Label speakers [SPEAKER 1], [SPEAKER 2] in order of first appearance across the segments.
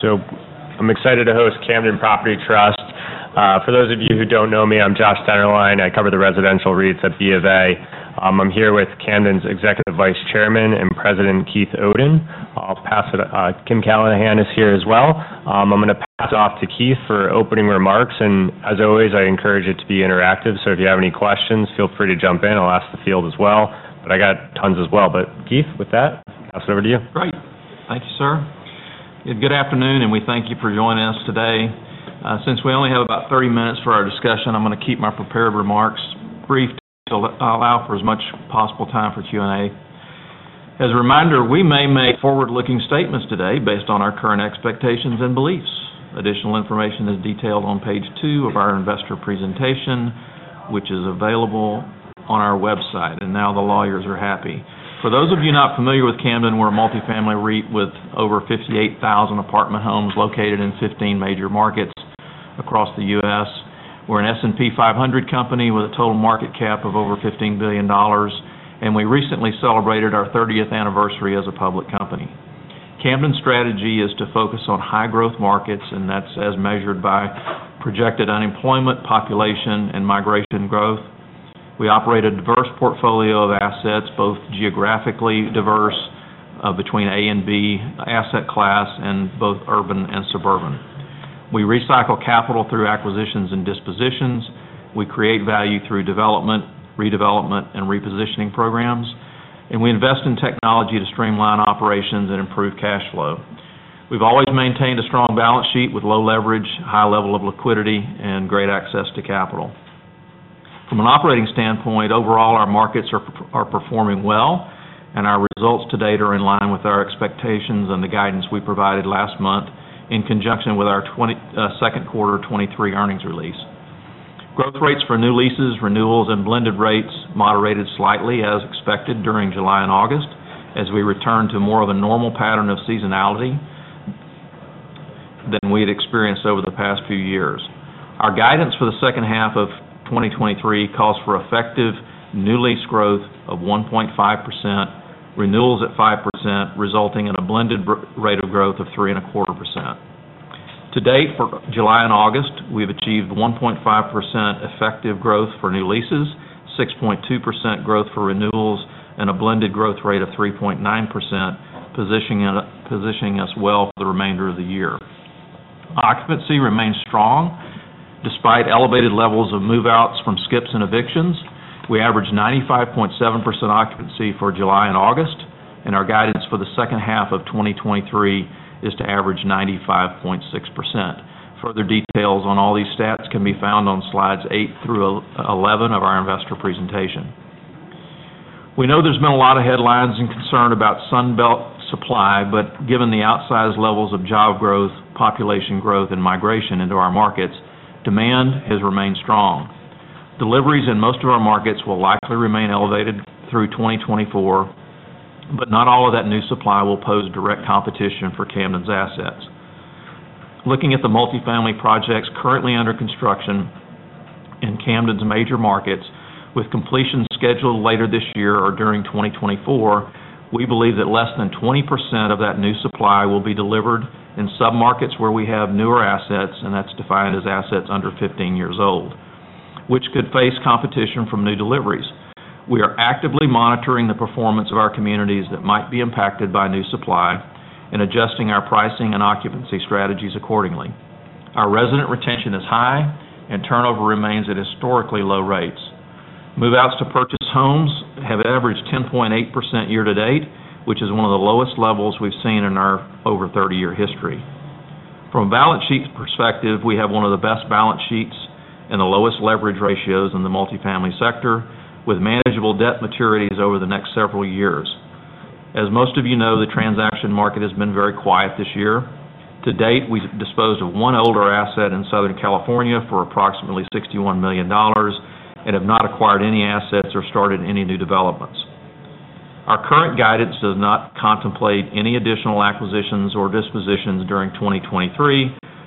[SPEAKER 1] I'm excited to host Camden Property Trust. For those of you who don't know me, I'm Joshua Dennerlein. I cover the residential REITs at BofA. I'm here with Camden's Executive Vice Chairman and President, Keith Oden. I'll pass it. Kim Callahan is here as well. I'm gonna pass off to Keith for opening remarks, and as always, I encourage you to be interactive. If you have any questions, feel free to jump in. I'll ask the field as well, but I got tons as well. But Keith, with that, pass it over to you.
[SPEAKER 2] Great. Thank you, sir. Good afternoon, and we thank you for joining us today. Since we only have about 30 minutes for our discussion, I'm gonna keep my prepared remarks brief, to allow for as much possible time for Q&A. As a reminder, we may make forward-looking statements today based on our current expectations and beliefs. Additional information is detailed on page two of our investor presentation, which is available on our website, and now the lawyers are happy. For those of you not familiar with Camden, we're a multifamily REIT with over 58,000 apartment homes located in 15 major markets across the U.S. We're an S&P 500 company with a total market cap of over $15 billion, and we recently celebrated our 30th anniversary as a public company. Camden's strategy is to focus on high-growth markets, and that's as measured by projected unemployment, population, and migration growth. We operate a diverse portfolio of assets, both geographically diverse, between A and B asset class, and both urban and suburban. We recycle capital through acquisitions and dispositions. We create value through development, redevelopment, and repositioning programs, and we invest in technology to streamline operations and improve cash flow. We've always maintained a strong balance sheet with low leverage, high level of liquidity, and great access to capital. From an operating standpoint, overall, our markets are performing well, and our results to date are in line with our expectations and the guidance we provided last month in conjunction with our second quarter 2023 earnings release. Growth rates for new leases, renewals, and blended rates moderated slightly as expected during July and August, as we return to more of a normal pattern of seasonality than we'd experienced over the past few years. Our guidance for the second half of 2023 calls for effective new lease growth of 1.5%, renewals at 5%, resulting in a blended rate of growth of 3.25%. To date, for July and August, we've achieved 1.5% effective growth for new leases, 6.2% growth for renewals, and a blended growth rate of 3.9%, positioning us well for the remainder of the year. Occupancy remains strong, despite elevated levels of move-outs from skips and evictions. We average 95.7% occupancy for July and August, and our guidance for the second half of 2023 is to average 95.6%. Further details on all these stats can be found on slides eight through eleven of our investor presentation. We know there's been a lot of headlines and concern about Sun Belt supply, but given the outsized levels of job growth, population growth, and migration into our markets, demand has remained strong. Deliveries in most of our markets will likely remain elevated through 2024, but not all of that new supply will pose direct competition for Camden's assets. Looking at the multifamily projects currently under construction in Camden's major markets, with completion scheduled later this year or during 2024, we believe that less than 20% of that new supply will be delivered in submarkets where we have newer assets, and that's defined as assets under 15 years old, which could face competition from new deliveries. We are actively monitoring the performance of our communities that might be impacted by new supply and adjusting our pricing and occupancy strategies accordingly. Our resident retention is high, and turnover remains at historically low rates. Move-outs to purchase homes have averaged 10.8% year to date, which is one of the lowest levels we've seen in our over 30-year history. From a balance sheet perspective, we have one of the best balance sheets and the lowest leverage ratios in the multifamily sector, with manageable debt maturities over the next several years. As most of you know, the transaction market has been very quiet this year. To date, we've disposed of one older asset in Southern California for approximately $61 million and have not acquired any assets or started any new developments. Our current guidance does not contemplate any additional acquisitions or dispositions during 2023,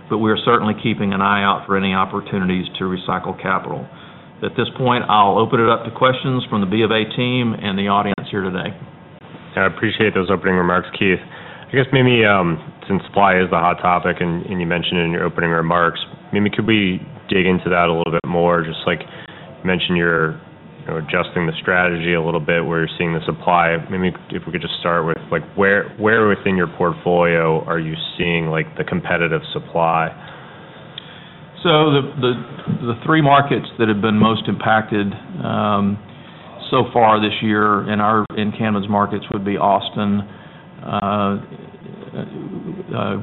[SPEAKER 2] but we are certainly keeping an eye out for any opportunities to recycle capital. At this point, I'll open it up to questions from the BofA team and the audience here today.
[SPEAKER 3] I appreciate those opening remarks, Keith. I guess maybe, since supply is the hot topic and you mentioned it in your opening remarks, maybe could we dig into that a little bit more? Just like, mention you're, you know, adjusting the strategy a little bit, where you're seeing the supply. Maybe if we could just start with, like, where within your portfolio are you seeing, like, the competitive supply?
[SPEAKER 2] So the three markets that have been most impacted so far this year in Camden's markets would be Austin.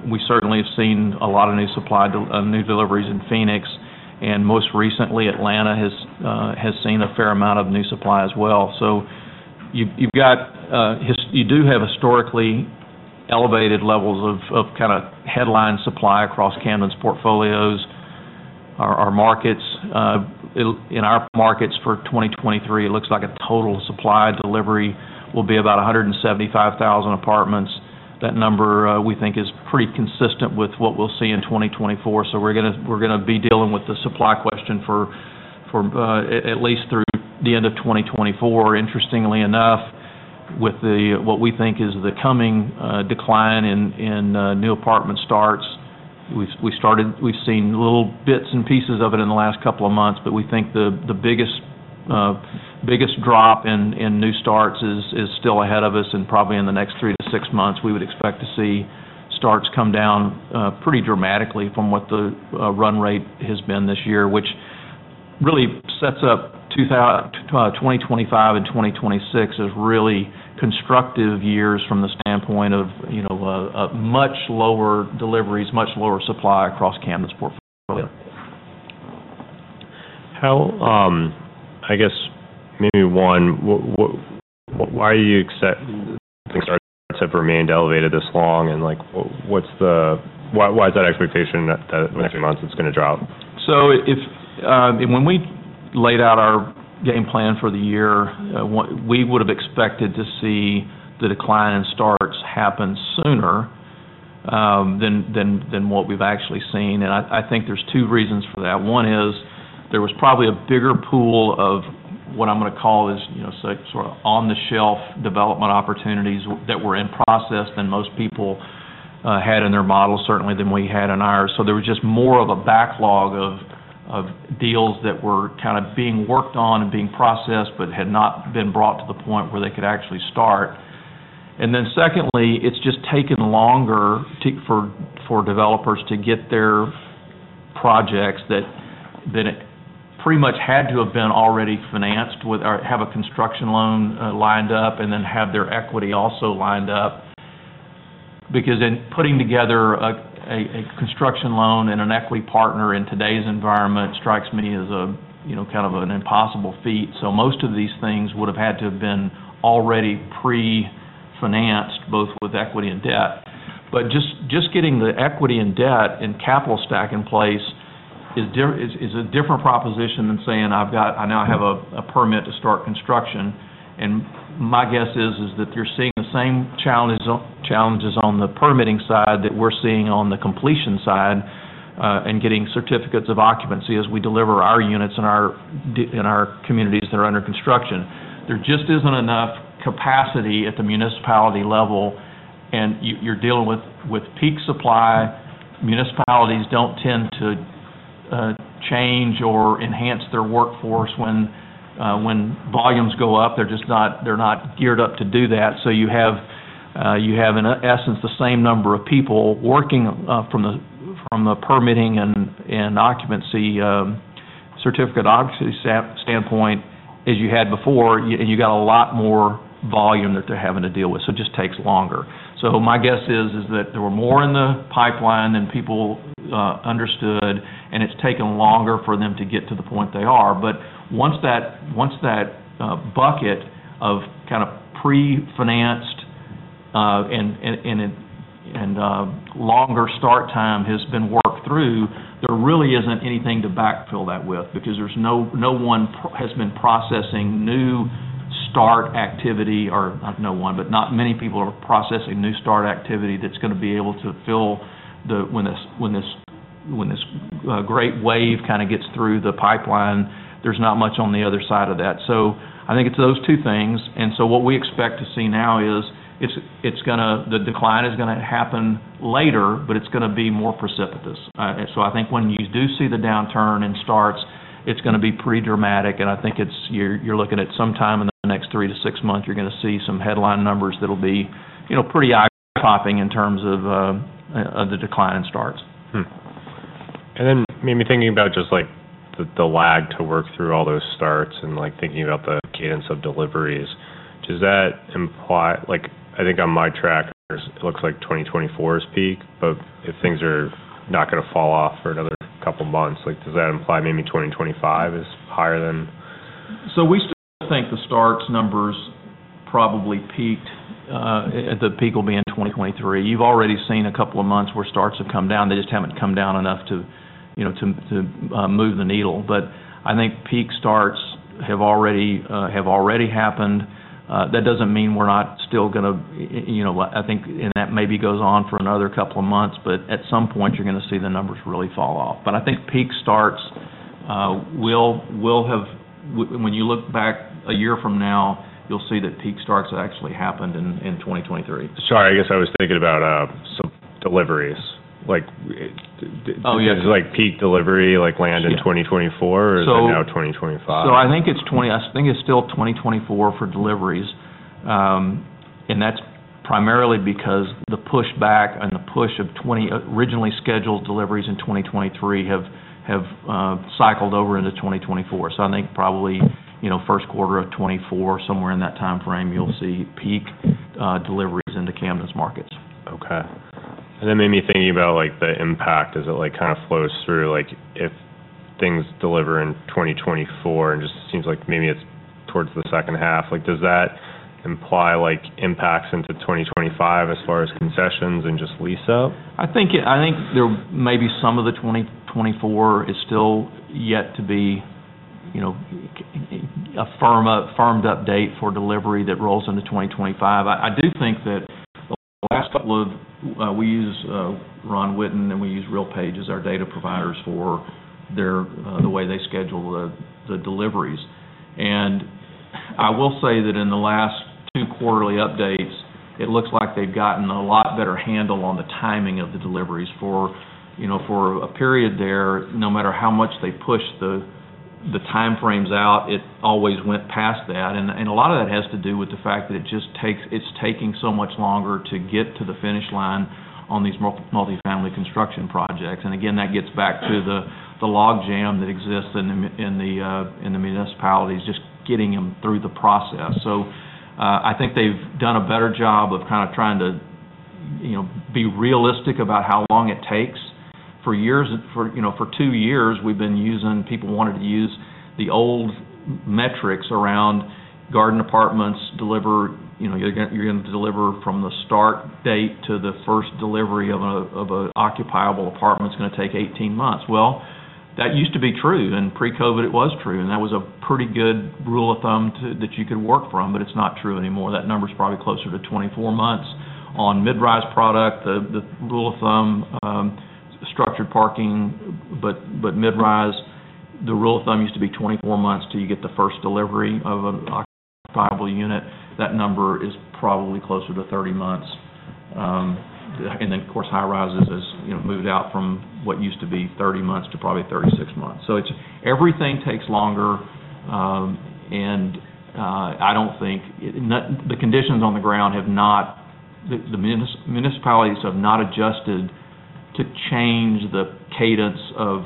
[SPEAKER 2] We certainly have seen a lot of new deliveries in Phoenix, and most recently, Atlanta has seen a fair amount of new supply as well. So you've got you do have historically elevated levels of kinda headline supply across Camden's portfolios. Our markets, in our markets for 2023, it looks like a total supply delivery will be about 175,000 apartments. That number we think is pretty consistent with what we'll see in 2024. So we're gonna be dealing with the supply question for at least through the end of 2024, interestingly enough. with the, what we think is the coming decline in new apartment starts. We've seen little bits and pieces of it in the last couple of months, but we think the biggest drop in new starts is still ahead of us, and probably in the next three-six months, we would expect to see starts come down pretty dramatically from what the run rate has been this year. Which really sets up 2025 and 2026 as really constructive years from the standpoint of, you know, much lower deliveries, much lower supply across Camden's portfolio.
[SPEAKER 1] How, I guess, maybe, why have things remained elevated this long, and, like, what's the why, why is that expectation that in the next few months it's gonna drop?
[SPEAKER 2] So if when we laid out our game plan for the year, we would've expected to see the decline in starts happen sooner than what we've actually seen. And I think there's two reasons for that. One is, there was probably a bigger pool of what I'm gonna call is, you know, sort of on-the-shelf development opportunities that were in process, than most people had in their model, certainly than we had in ours. So there was just more of a backlog of deals that were kind of being worked on and being processed, but had not been brought to the point where they could actually start. And then secondly, it's just taken longer for developers to get their projects that pretty much had to have been already financed with or have a construction loan lined up, and then have their equity also lined up. Because in putting together a construction loan and an equity partner in today's environment strikes me as a, you know, kind of an impossible feat. So most of these things would've had to have been already pre-financed, both with equity and debt. But just getting the equity and debt and capital stack in place is different than saying, "I now have a permit to start construction." And my guess is that you're seeing the same challenges on the permitting side that we're seeing on the completion side, and getting certificates of occupancy as we deliver our units in our communities that are under construction. There just isn't enough capacity at the municipality level, and you're dealing with peak supply. Municipalities don't tend to change or enhance their workforce when volumes go up. They're just not geared up to do that. So you have in essence the same number of people working from the permitting and certificate of occupancy standpoint as you had before, and you got a lot more volume that they're having to deal with, so it just takes longer. So my guess is that there were more in the pipeline than people understood, and it's taken longer for them to get to the point they are. But once that bucket of kind of pre-financed and longer start time has been worked through, there really isn't anything to backfill that with, because no one has been processing new start activity, but not many people are processing new start activity that's gonna be able to fill the... When this great wave kind of gets through the pipeline, there's not much on the other side of that. So I think it's those two things. And so what we expect to see now is the decline is gonna happen later, but it's gonna be more precipitous. And so I think when you do see the downturn in starts, it's gonna be pretty dramatic, and I think you're looking at some time in the next three-six months, you're gonna see some headline numbers that'll be, you know, pretty eye-popping in terms of the decline in starts.
[SPEAKER 1] Hmm. And then maybe thinking about just, like, the, the lag to work through all those starts and, like, thinking about the cadence of deliveries, does that imply, like, I think on my track, it looks like 2024 is peak, but if things are not gonna fall off for another couple of months, like, does that imply maybe 2025 is higher than?
[SPEAKER 2] So we still think the starts numbers probably peaked at the peak will be in 2023. You've already seen a couple of months where starts have come down. They just haven't come down enough to, you know, to move the needle. But I think peak starts have already have already happened. That doesn't mean we're not still gonna you know, I think, and that maybe goes on for another couple of months, but at some point, you're gonna see the numbers really fall off. But I think peak starts will have when you look back a year from now, you'll see that peak starts actually happened in 2023.
[SPEAKER 1] Sorry, I guess I was thinking about some deliveries, like-
[SPEAKER 2] Oh, yeah.
[SPEAKER 3] Does, like, peak delivery, like, land in 2024-
[SPEAKER 2] So-
[SPEAKER 3] or is it now 2025?
[SPEAKER 2] So I think it's still 2024 for deliveries. And that's primarily because the pushback and the push of originally scheduled deliveries in 2023 have cycled over into 2024. So I think probably, you know, first quarter of 2024, somewhere in that timeframe, you'll see peak deliveries into Camden's markets.
[SPEAKER 1] Okay. And that made me think about, like, the impact as it, like, kind of flows through, like, if things deliver in 2024, and just seems like maybe it's towards the second half, like, does that imply, like, impacts into 2025 as far as concessions and just lease out?
[SPEAKER 2] I think there may be some of the 2024 is still yet to be, you know, a firmed up date for delivery that rolls into 2025. I do think that couple of we use Ron Witten, and we use RealPage as our data providers for the way they schedule the deliveries. And I will say that in the last two quarterly updates, it looks like they've gotten a lot better handle on the timing of the deliveries. You know, for a period there, no matter how much they pushed the time frames out, it always went past that. And a lot of that has to do with the fact that it's taking so much longer to get to the finish line on these multifamily construction projects. And again, that gets back to the log jam that exists in the municipalities, just getting them through the process. So, I think they've done a better job of kind of trying to, you know, be realistic about how long it takes. For years, you know, for two years, we've been using... People wanted to use the old metrics around garden apartments delivery you know, you're gonna deliver from the start date to the first delivery of a occupiable apartment is gonna take 18 months. Well, that used to be true, and pre-COVID, it was true, and that was a pretty good rule of thumb that you could work from, but it's not true anymore. That number is probably closer to 24 months. On mid-rise product, the rule of thumb, structured parking, but mid-rise, the rule of thumb used to be 24 months till you get the first delivery of an occupiable unit. That number is probably closer to 30 months. And then, of course, high-rises has, you know, moved out from what used to be 30 months to probably 36 months. So it's everything takes longer, and I don't think the municipalities have not adjusted to change the cadence of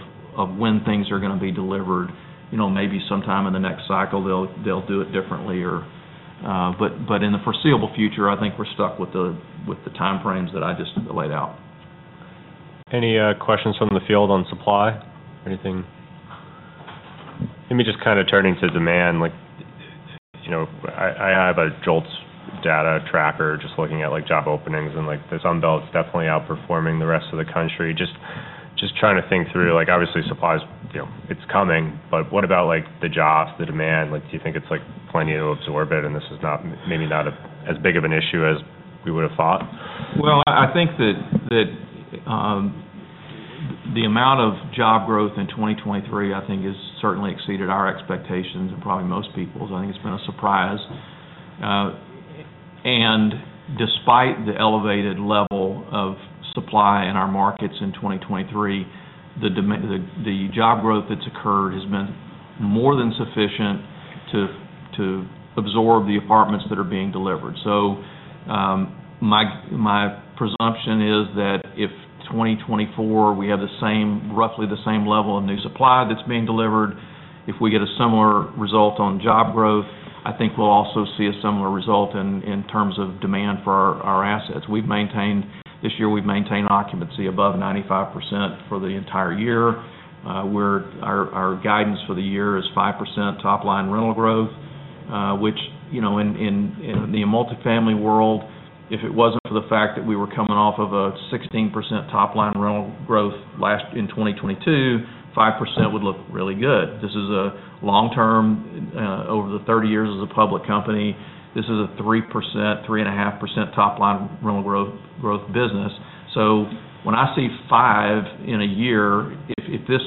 [SPEAKER 2] when things are gonna be delivered. You know, maybe sometime in the next cycle, they'll do it differently or. But in the foreseeable future, I think we're stuck with the time frames that I just laid out.
[SPEAKER 1] Any questions from the field on supply? Anything? Let me just kind of turn to demand. Like, you know, I have a JOLTS data tracker, just looking at, like, job openings, and, like, this Sun Belt's definitely outperforming the rest of the country. Just trying to think through, like, obviously, supply is, you know, it's coming, but what about, like, the jobs, the demand? Like, do you think it's, like, plenty to absorb it, and this is not, maybe not as big of an issue as we would have thought?
[SPEAKER 2] Well, I think that the amount of job growth in 2023, I think, has certainly exceeded our expectations and probably most people's. I think it's been a surprise. And despite the elevated level of supply in our markets in 2023, the job growth that's occurred has been more than sufficient to absorb the apartments that are being delivered. So, my presumption is that if 2024, we have roughly the same level of new supply that's being delivered, if we get a similar result on job growth, I think we'll also see a similar result in terms of demand for our assets. This year, we've maintained occupancy above 95% for the entire year. Our guidance for the year is 5% top-line rental growth, which, you know, in, in, in the multifamily world, if it wasn't for the fact that we were coming off of a 16% top-line rental growth last in 2022, 5% would look really good. This is a long-term, over the 30 years as a public company, this is a 3%, 3.5% top-line rental growth, growth business. So when I see 5% in a year, if, if this,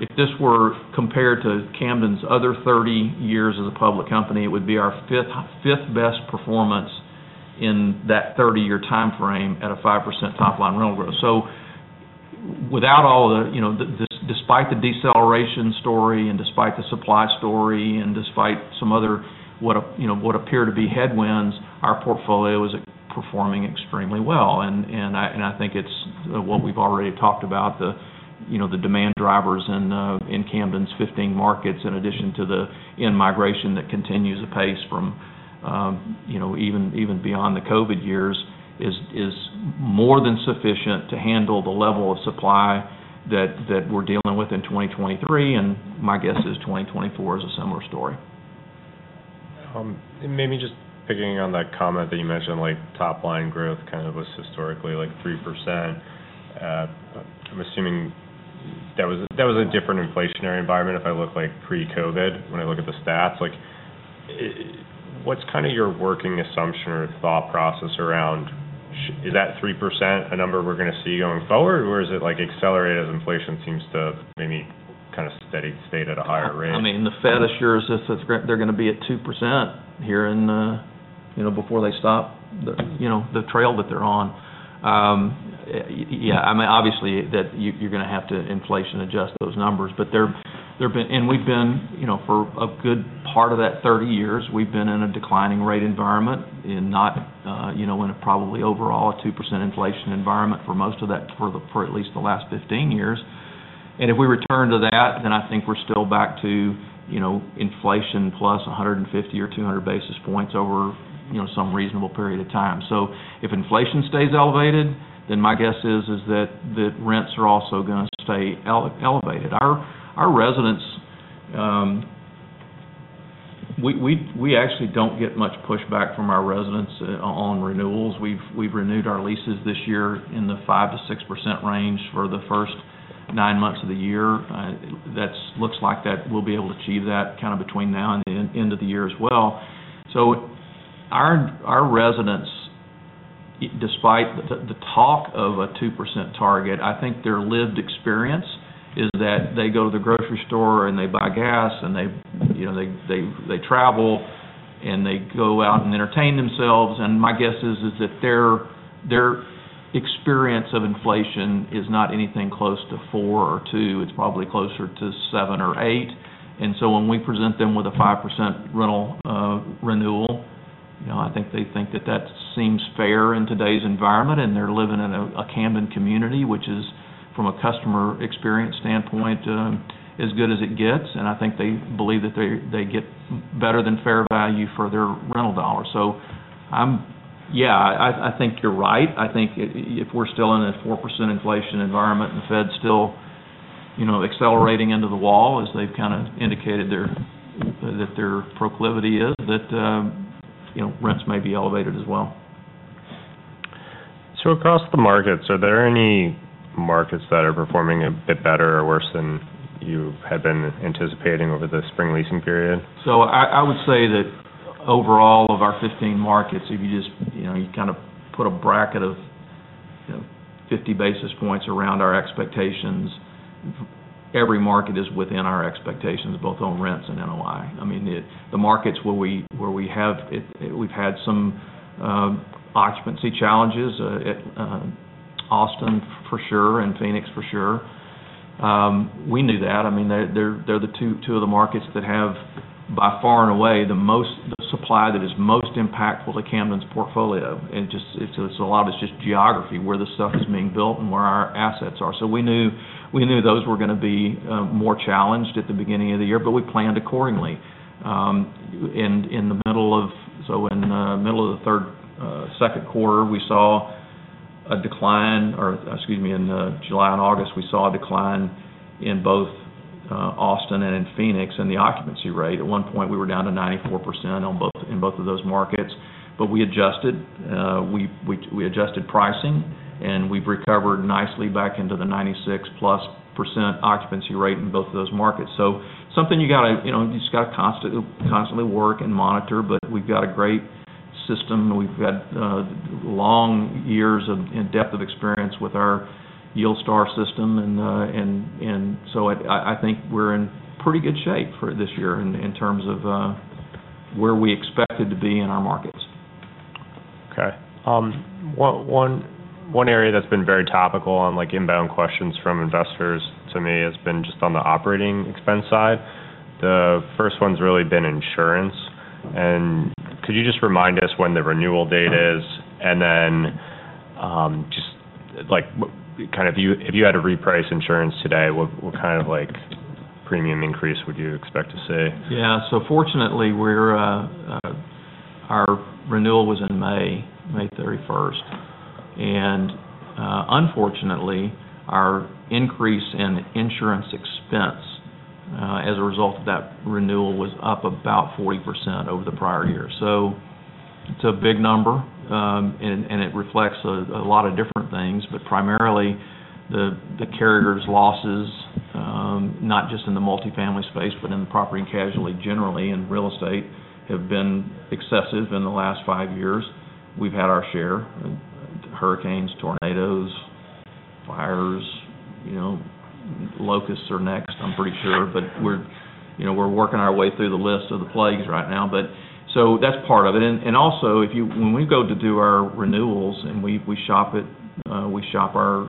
[SPEAKER 2] if this were compared to Camden's other 30 years as a public company, it would be our fifth, fifth best performance in that 30-year time frame at a 5% top-line rental growth. So without all the, you know, despite the deceleration story, and despite the supply story, and despite some other what appear, you know, what appear to be headwinds, our portfolio is performing extremely well. And, and I, and I think it's, what we've already talked about, the, you know, the demand drivers in, in Camden's 15 markets, in addition to the in-migration that continues apace from, you know, even, even beyond the COVID years, is, is more than sufficient to handle the level of supply that, that we're dealing with in 2023, and my guess is 2024 is a similar story.
[SPEAKER 1] And maybe just picking on that comment that you mentioned, like, top-line growth kind of was historically like 3%. I'm assuming that was a, that was a different inflationary environment if I look like pre-COVID, when I look at the stats. Like, what's kind of your working assumption or thought process around... Is that 3% a number we're gonna see going forward, or is it like accelerated as inflation seems to maybe kind of steady, stayed at a higher rate?
[SPEAKER 2] I mean, the Fed assures us that's great—they're gonna be at 2% here in the, you know, before they stop the, you know, the trail that they're on. Yeah, I mean, obviously, that you're gonna have to inflation adjust those numbers, but they've been... And we've been, you know, for a good part of that 30 years, we've been in a declining rate environment, and not, you know, in a probably overall a 2% inflation environment for most of that, for the, for at least the last 15 years. And if we return to that, then I think we're still back to, you know, inflation plus 150 or 200 basis points over, you know, some reasonable period of time. So if inflation stays elevated, then my guess is that the rents are also gonna stay elevated. Our residents, we actually don't get much pushback from our residents on renewals. We've renewed our leases this year in the 5%-6% range for the first nine months of the year, that's looks like we'll be able to achieve that kind of between now and the end of the year as well. So our residents, despite the talk of a 2% target, I think their lived experience is that they go to the grocery store, and they buy gas, and they, you know, they travel, and they go out and entertain themselves. And my guess is that their experience of inflation is not anything close to four or two. It's probably closer to seven or eight. And so when we present them with a 5% rental renewal, you know, I think they think that that seems fair in today's environment, and they're living in a Camden community, which is, from a customer experience standpoint, as good as it gets. And I think they believe that they get better than fair value for their rental dollar. So, yeah, I think you're right. I think if we're still in a 4% inflation environment, and the Fed's still, you know, accelerating into the wall, as they've kinda indicated that their proclivity is, that, you know, rents may be elevated as well.
[SPEAKER 1] Across the markets, are there any markets that are performing a bit better or worse than you had been anticipating over the spring leasing period?
[SPEAKER 2] So I would say that overall, of our 15 markets, if you just, you know, you kinda put a bracket of, you know, 50 basis points around our expectations, every market is within our expectations, both on rents and NOI. I mean, the markets where we have, we've had some occupancy challenges at Austin, for sure, and Phoenix, for sure. We knew that. I mean, they're the two of the markets that have, by far and away, the most supply that is most impactful to Camden's portfolio. And just, it's a lot, it's just geography, where the stuff is being built and where our assets are. So we knew those were gonna be more challenged at the beginning of the year, but we planned accordingly. In the middle of... So in the middle of the third, second quarter, we saw a decline, or excuse me, in July and August, we saw a decline in both, Austin and in Phoenix, and the occupancy rate. At one point, we were down to 94% on both—in both of those markets. But we adjusted, we adjusted pricing, and we've recovered nicely back into the 96%+ occupancy rate in both of those markets. So something you gotta, you know, you just gotta constantly work and monitor, but we've got a great system, and we've got, long years of and depth of experience with our YieldStar system, and, and so I think we're in pretty good shape for this year in, in terms of, where we expected to be in our markets.
[SPEAKER 1] Okay. One area that's been very topical on, like, inbound questions from investors to me has been just on the operating expense side. The first one's really been insurance. Could you just remind us when the renewal date is? Then, just, like, kind of, if you had to reprice insurance today, what kind of, like, premium increase would you expect to see?
[SPEAKER 2] Yeah. So fortunately, we're. Our renewal was in May, May 31st. And, unfortunately, our increase in insurance expense, as a result of that renewal, was up about 40% over the prior year. So it's a big number, and it reflects a lot of different things, but primarily, the carriers' losses, not just in the multifamily space, but in the property and casualty, generally in real estate, have been excessive in the last 5 years. We've had our share, hurricanes, tornadoes, fires, you know, locusts are next, I'm pretty sure. But we're, you know, we're working our way through the list of the plagues right now, but so that's part of it. And also, if you—when we go to do our renewals and we shop it, we shop our...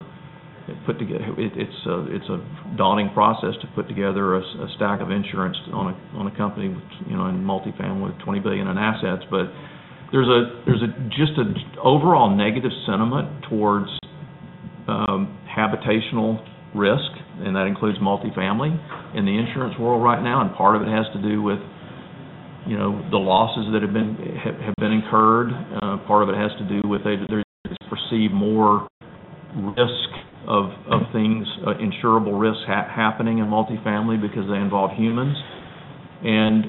[SPEAKER 2] Put together, it's a daunting process to put together a stack of insurance on a company, which, you know, in multifamily, $20 billion in assets. But there's just an overall negative sentiment towards habitational risk, and that includes multifamily, in the insurance world right now. And part of it has to do with, you know, the losses that have been incurred. Part of it has to do with there's perceived more risk of things, insurable risk happening in multifamily because they involve humans. And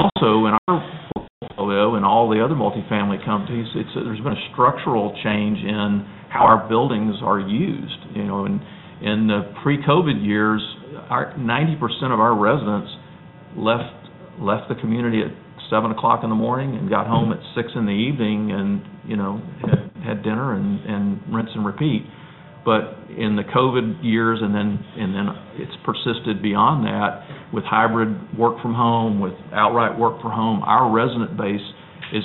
[SPEAKER 2] also in our and all the other multifamily companies, there's been a structural change in how our buildings are used, you know? In the pre-COVID years, our 90% of our residents left the community at 7:00 A.M. and got home at 6:00 P.M. and, you know, had dinner and rinse and repeat. But in the COVID years, and then it's persisted beyond that, with hybrid work from home, with outright work from home, our resident base is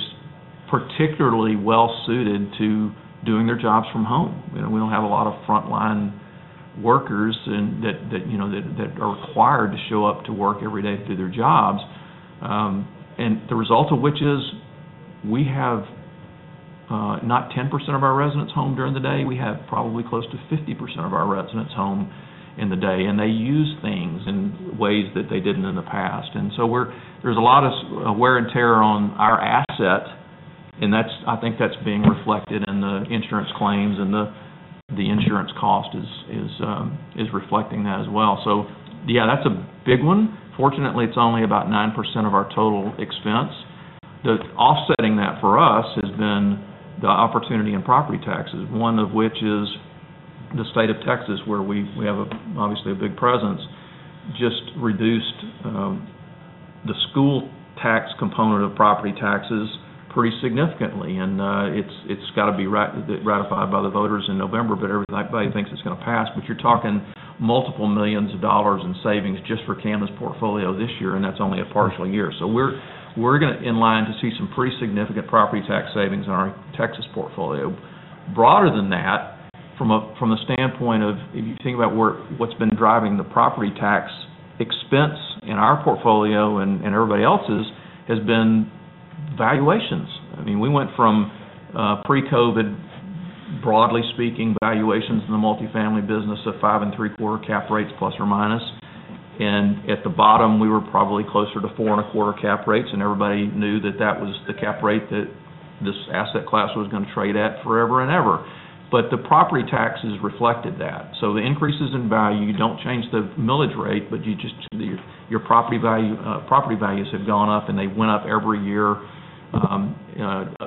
[SPEAKER 2] particularly well-suited to doing their jobs from home. You know, we don't have a lot of frontline workers and that, you know, that are required to show up to work every day to do their jobs. And the result of which is, we have not 10% of our residents home during the day. We have probably close to 50% of our residents home in the day, and they use things in ways that they didn't in the past. And so there's a lot of wear and tear on our asset, and that's—I think that's being reflected in the insurance claims, and the insurance cost is reflecting that as well. So yeah, that's a big one. Fortunately, it's only about 9% of our total expense. The offsetting that for us has been the opportunity in property taxes, one of which is the state of Texas, where we have, obviously, a big presence, just reduced the school tax component of property taxes pretty significantly. And it's got to be ratified by the voters in November, but everybody thinks it's gonna pass. But you're talking multiple millions of dollars in savings just for Camden's portfolio this year, and that's only a partial year. So we're in line to see some pretty significant property tax savings in our Texas portfolio. Broader than that, from a standpoint of if you think about what's been driving the property tax expense in our portfolio and everybody else's, has been valuations. I mean, we went from pre-COVID, broadly speaking, valuations in the multifamily business of 5.75 cap rates ±. And at the bottom, we were probably closer to 4.25 cap rates, and everybody knew that that was the cap rate that this asset class was gonna trade at forever and ever. But the property taxes reflected that. So the increases in value don't change the millage rate, but you just—your property values have gone up, and they went up every year,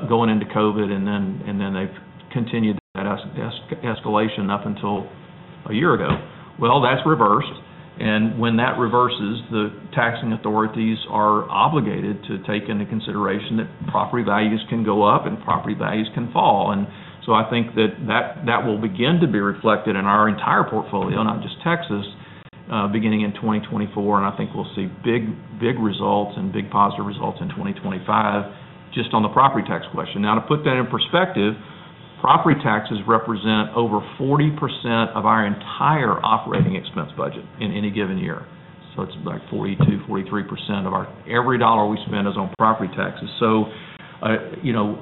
[SPEAKER 2] going into COVID, and then, and then they've continued that escalation up until a year ago. Well, that's reversed, and when that reverses, the taxing authorities are obligated to take into consideration that property values can go up and property values can fall. And so I think that will begin to be reflected in our entire portfolio, not just Texas, beginning in 2024, and I think we'll see big, big results and big positive results in 2025, just on the property tax question. Now, to put that in perspective, property taxes represent over 40% of our entire operating expense budget in any given year. So it's like 42%-43% of our every dollar we spend is on property taxes. So, you know,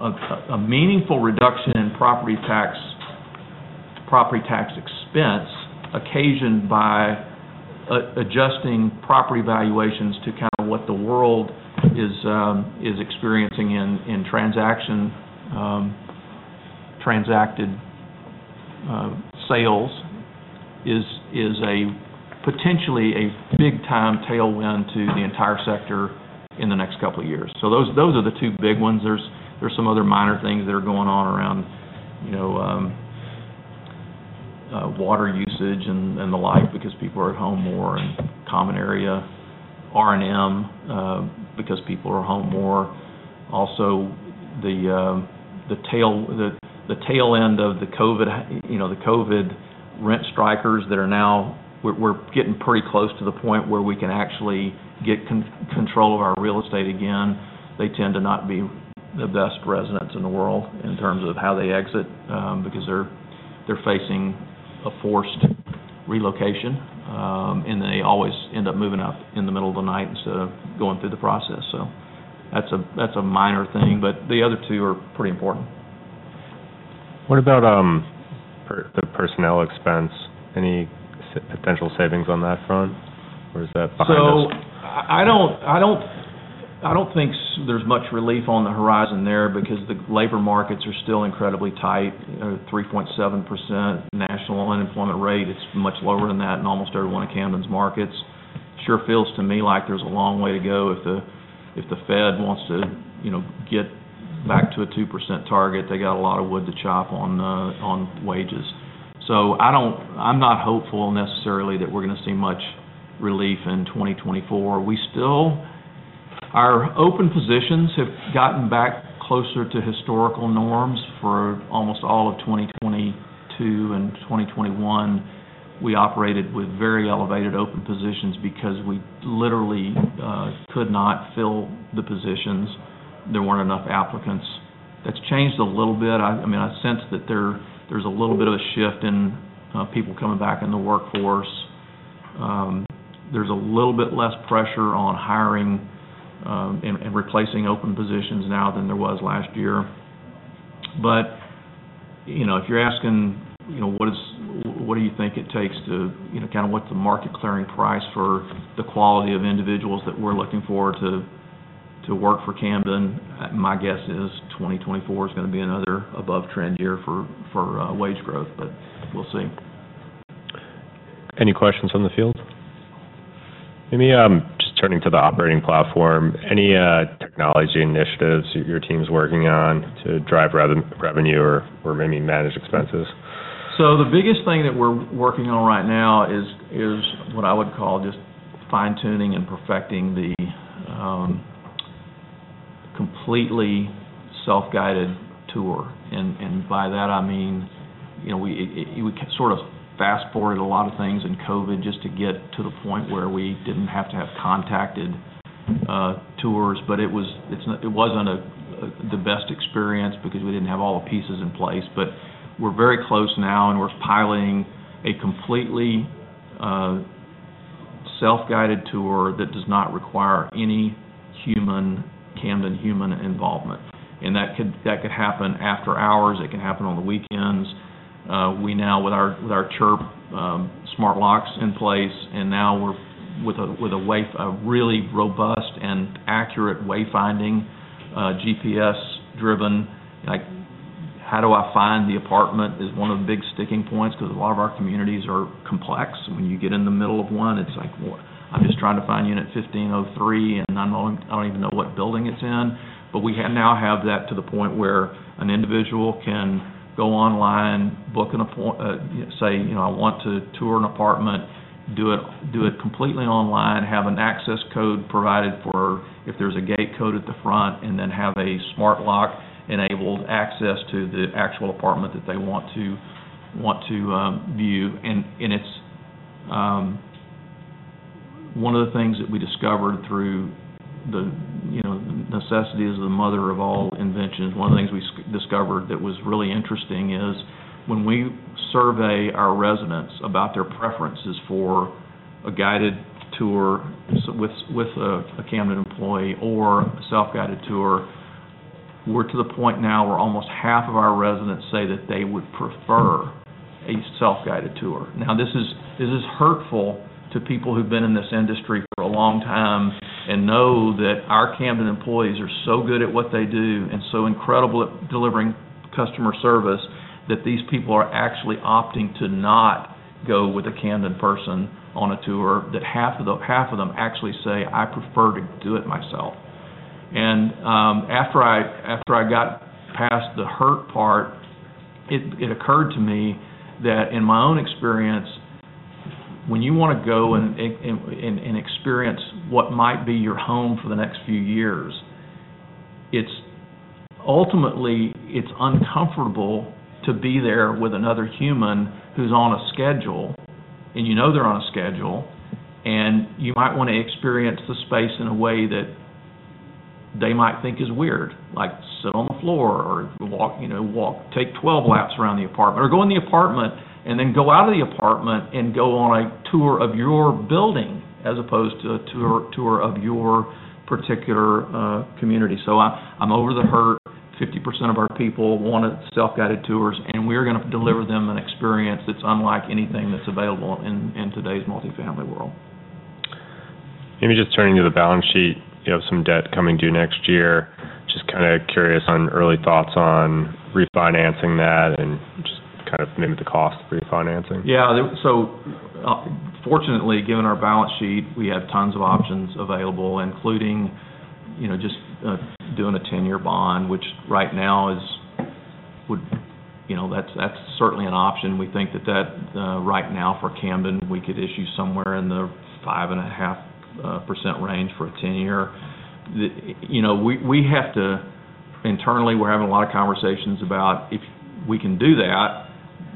[SPEAKER 2] a meaningful reduction in property tax, property tax expense, occasioned by adjusting property valuations to kind of what the world is experiencing in transacted sales, is a potentially big-time tailwind to the entire sector in the next couple of years. So those are the two big ones. There's some other minor things that are going on around, you know, water usage and the like, because people are at home more, and common area R&M, because people are home more. Also, the tail end of the COVID, you know, the COVID rent strikers that are now... We're getting pretty close to the point where we can actually get control of our real estate again. They tend to not be the best residents in the world in terms of how they exit, because they're facing a forced relocation, and they always end up moving out in the middle of the night instead of going through the process. So that's a minor thing, but the other two are pretty important.
[SPEAKER 1] What about the personnel expense? Any potential savings on that front, or is that behind us?
[SPEAKER 2] So I don't think there's much relief on the horizon there because the labor markets are still incredibly tight. 3.7% national unemployment rate, it's much lower than that in almost every one of Camden's markets. Sure feels to me like there's a long way to go if the Fed wants to, you know, get back to a 2% target. They got a lot of wood to chop on wages. So I don't. I'm not hopeful necessarily, that we're gonna see much relief in 2024. We still. Our open positions have gotten back closer to historical norms. For almost all of 2022 and 2021, we operated with very elevated open positions because we literally could not fill the positions. There weren't enough applicants. That's changed a little bit. I mean, I sense that there's a little bit of a shift in people coming back in the workforce. There's a little bit less pressure on hiring and replacing open positions now than there was last year. But, you know, if you're asking, you know, what is—what do you think it takes to, you know, kind of what's the market clearing price for the quality of individuals that we're looking for to work for Camden? My guess is 2024 is gonna be another above-trend year for wage growth, but we'll see.
[SPEAKER 1] Any questions from the field? Let me, just turning to the operating platform, any, technology initiatives your team is working on to drive revenue or maybe manage expenses?
[SPEAKER 2] So the biggest thing that we're working on right now is what I would call just fine-tuning and perfecting the completely self-guided tour. And by that I mean, you know, we sort of fast-forwarded a lot of things in COVID, just to get to the point where we didn't have to have contacted tours, but it wasn't the best experience because we didn't have all the pieces in place. But we're very close now, and we're piloting a completely self-guided tour that does not require any human, Camden human involvement. And that could happen after hours, it can happen on the weekends. We now, with our Chirp smart locks in place, and now we're with a way—a really robust and accurate wayfinding GPS-driven, like... How do I find the apartment? Is one of the big sticking points, because a lot of our communities are complex. When you get in the middle of one, it's like, what? I'm just trying to find unit 1503, and I'm only-- I don't even know what building it's in. But we have now have that to the point where an individual can go online, book an appointment, say, you know, I want to tour an apartment, do it, do it completely online, have an access code provided for if there's a gate code at the front, and then have a smart lock-enabled access to the actual apartment that they want to, want to view. And, and it's. One of the things that we discovered through the, you know, necessity is the mother of all invention. One of the things we discovered that was really interesting is, when we survey our residents about their preferences for a guided tour with a Camden employee or a self-guided tour, we're to the point now where almost half of our residents say that they would prefer a self-guided tour. Now, this is hurtful to people who've been in this industry for a long time and know that our Camden employees are so good at what they do and so incredible at delivering customer service, that these people are actually opting to not go with a Camden person on a tour. That half of them actually say, "I prefer to do it myself." And after I got past the hurt part, it occurred to me that in my own experience, when you wanna go and experience what might be your home for the next few years, it's ultimately uncomfortable to be there with another human who's on a schedule, and you know they're on a schedule, and you might wanna experience the space in a way that they might think is weird. Like, sit on the floor or walk, you know, take 12 laps around the apartment, or go in the apartment, and then go out of the apartment and go on a tour of your building, as opposed to a tour of your particular community. So I'm over the hurt. 50% of our people wanted self-guided tours, and we're gonna deliver them an experience that's unlike anything that's available in today's multifamily world.
[SPEAKER 1] Maybe just turning to the balance sheet, you have some debt coming due next year. Just kinda curious on early thoughts on refinancing that and just kind of maybe the cost of refinancing?
[SPEAKER 2] Yeah. So, fortunately, given our balance sheet, we have tons of options available, including, you know, just doing a 10-year bond, which right now would, you know, that's certainly an option. We think that right now, for Camden, we could issue somewhere in the 5.5% range for a 10-year. You know, we have to internally, we're having a lot of conversations about if we can do that,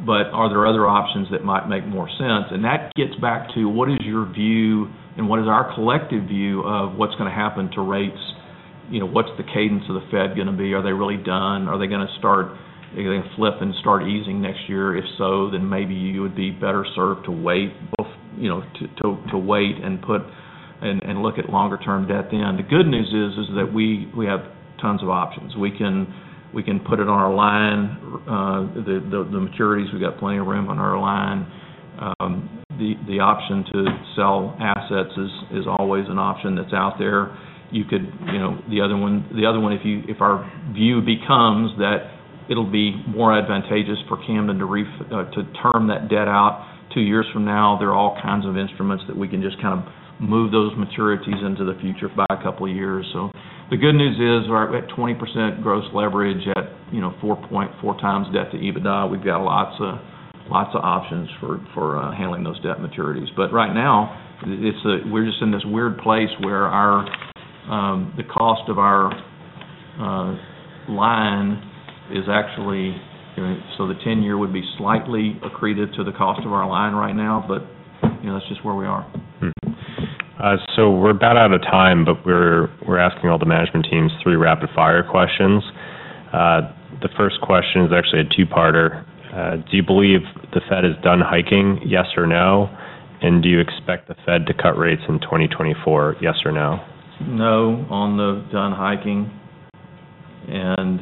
[SPEAKER 2] but are there other options that might make more sense? And that gets back to: what is your view, and what is our collective view of what's gonna happen to rates? You know, what's the cadence of the Fed gonna be? Are they really done? Are they gonna start, are they gonna flip and start easing next year? If so, then maybe you would be better served to wait off, you know, to wait and put and look at longer-term debt then. The good news is that we have tons of options. We can put it on our line, the maturities, we've got plenty of room on our line. The option to sell assets is always an option that's out there. You could, you know... The other one, the other one, if our view becomes that it'll be more advantageous for Camden to term that debt out two years from now, there are all kinds of instruments that we can just kind of move those maturities into the future by a couple of years. So the good news is, we're at 20% gross leverage at, you know, 4.4 times debt to EBITDA. We've got lots of, lots of options for, for, handling those debt maturities. But right now, it's, we're just in this weird place where our, the cost of our, line is actually... So the 10-year would be slightly accreted to the cost of our line right now, but, you know, that's just where we are.
[SPEAKER 1] So we're about out of time, but we're asking all the management teams three rapid-fire questions. The first question is actually a two-parter. Do you believe the Fed is done hiking, yes or no? And do you expect the Fed to cut rates in 2024, yes or no?
[SPEAKER 2] No, on the done hiking, and,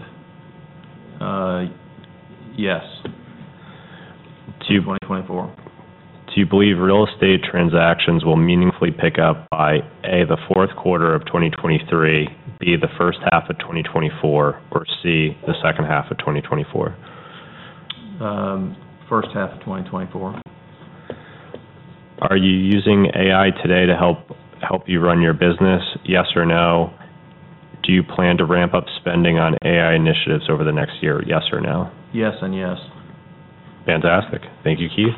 [SPEAKER 2] yes-
[SPEAKER 1] Do you-
[SPEAKER 2] - to 2024.
[SPEAKER 1] Do you believe real estate transactions will meaningfully pick up by, A, the fourth quarter of 2023, B, the first half of 2024, or, C, the second half of 2024?
[SPEAKER 2] First half of 2024.
[SPEAKER 1] Are you using AI today to help, help you run your business, yes or no? Do you plan to ramp up spending on AI initiatives over the next year, yes or no?
[SPEAKER 2] Yes and yes.
[SPEAKER 1] Fantastic. Thank you, Keith.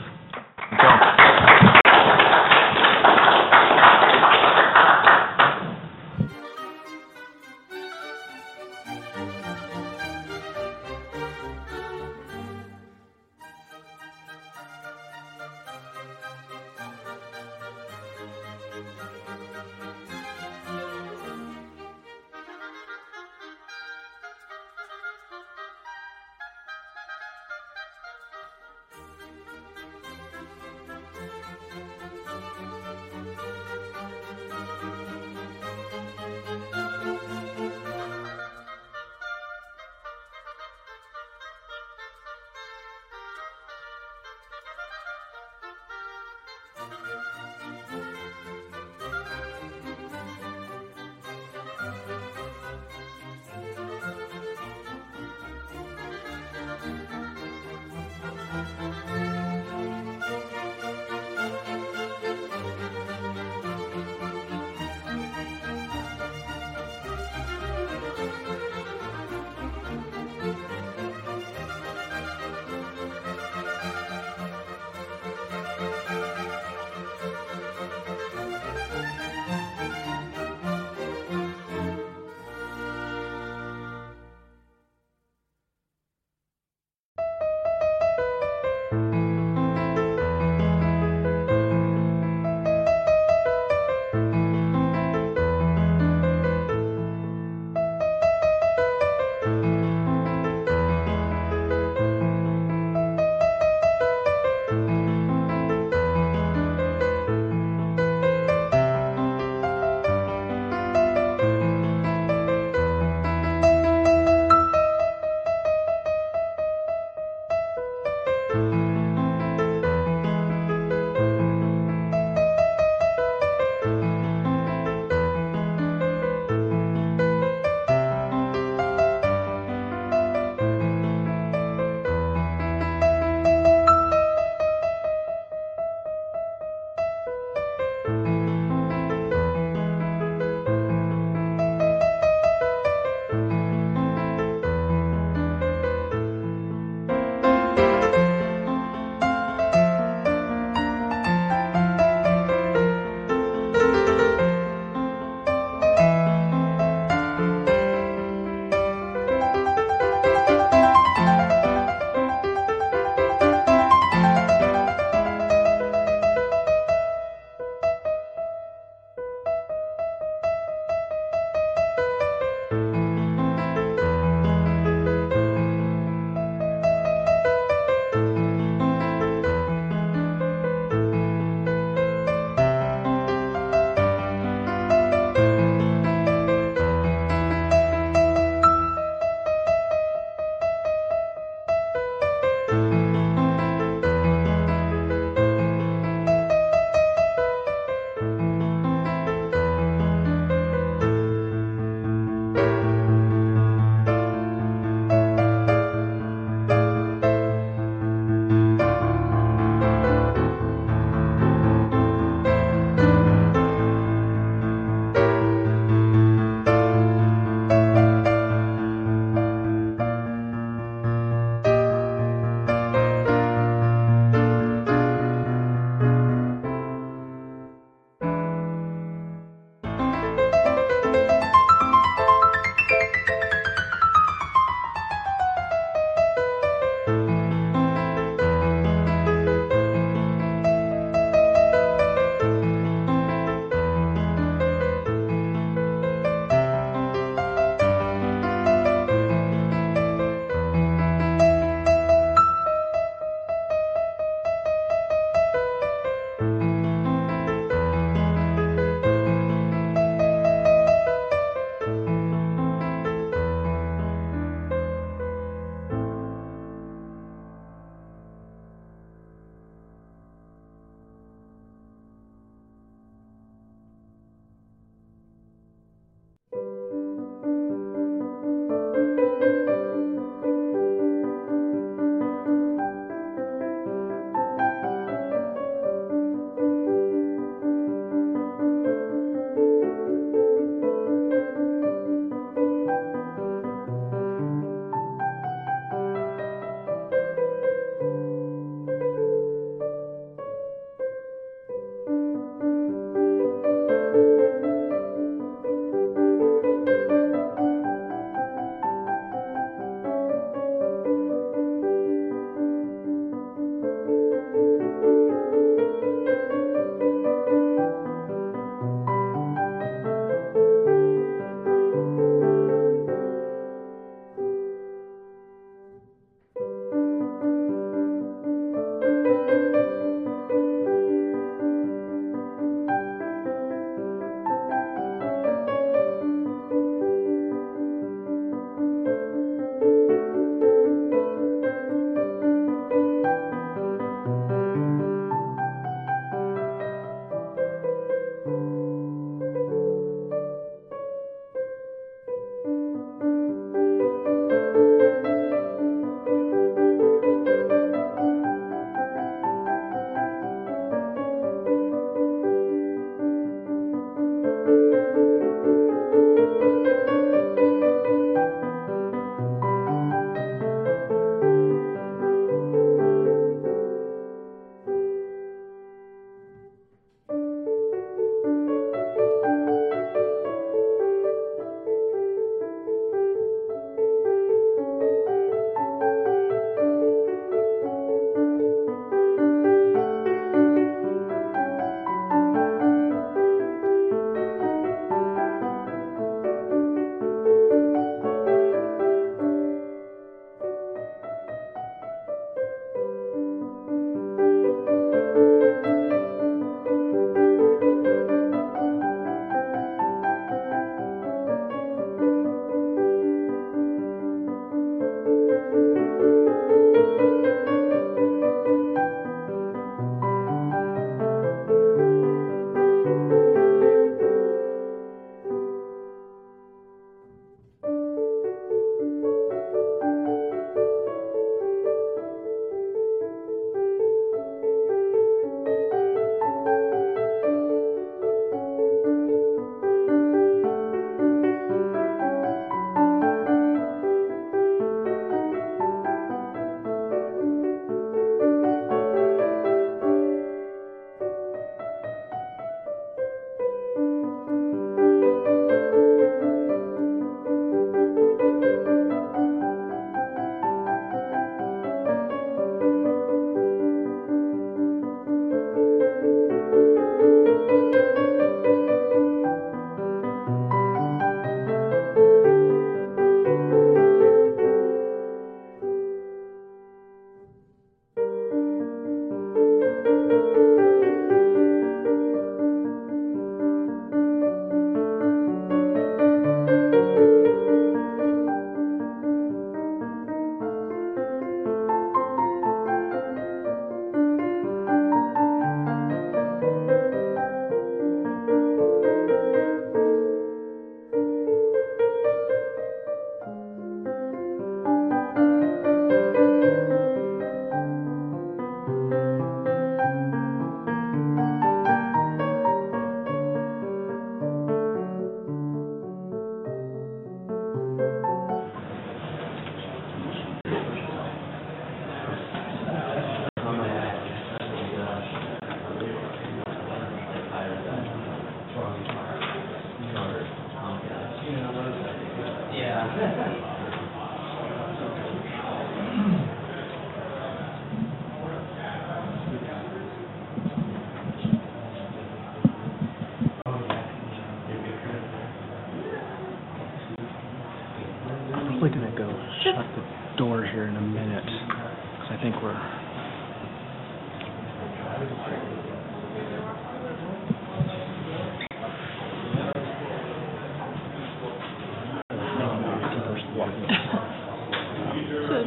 [SPEAKER 1] I'm probably gonna go shut the door here in a minute, because I think we're-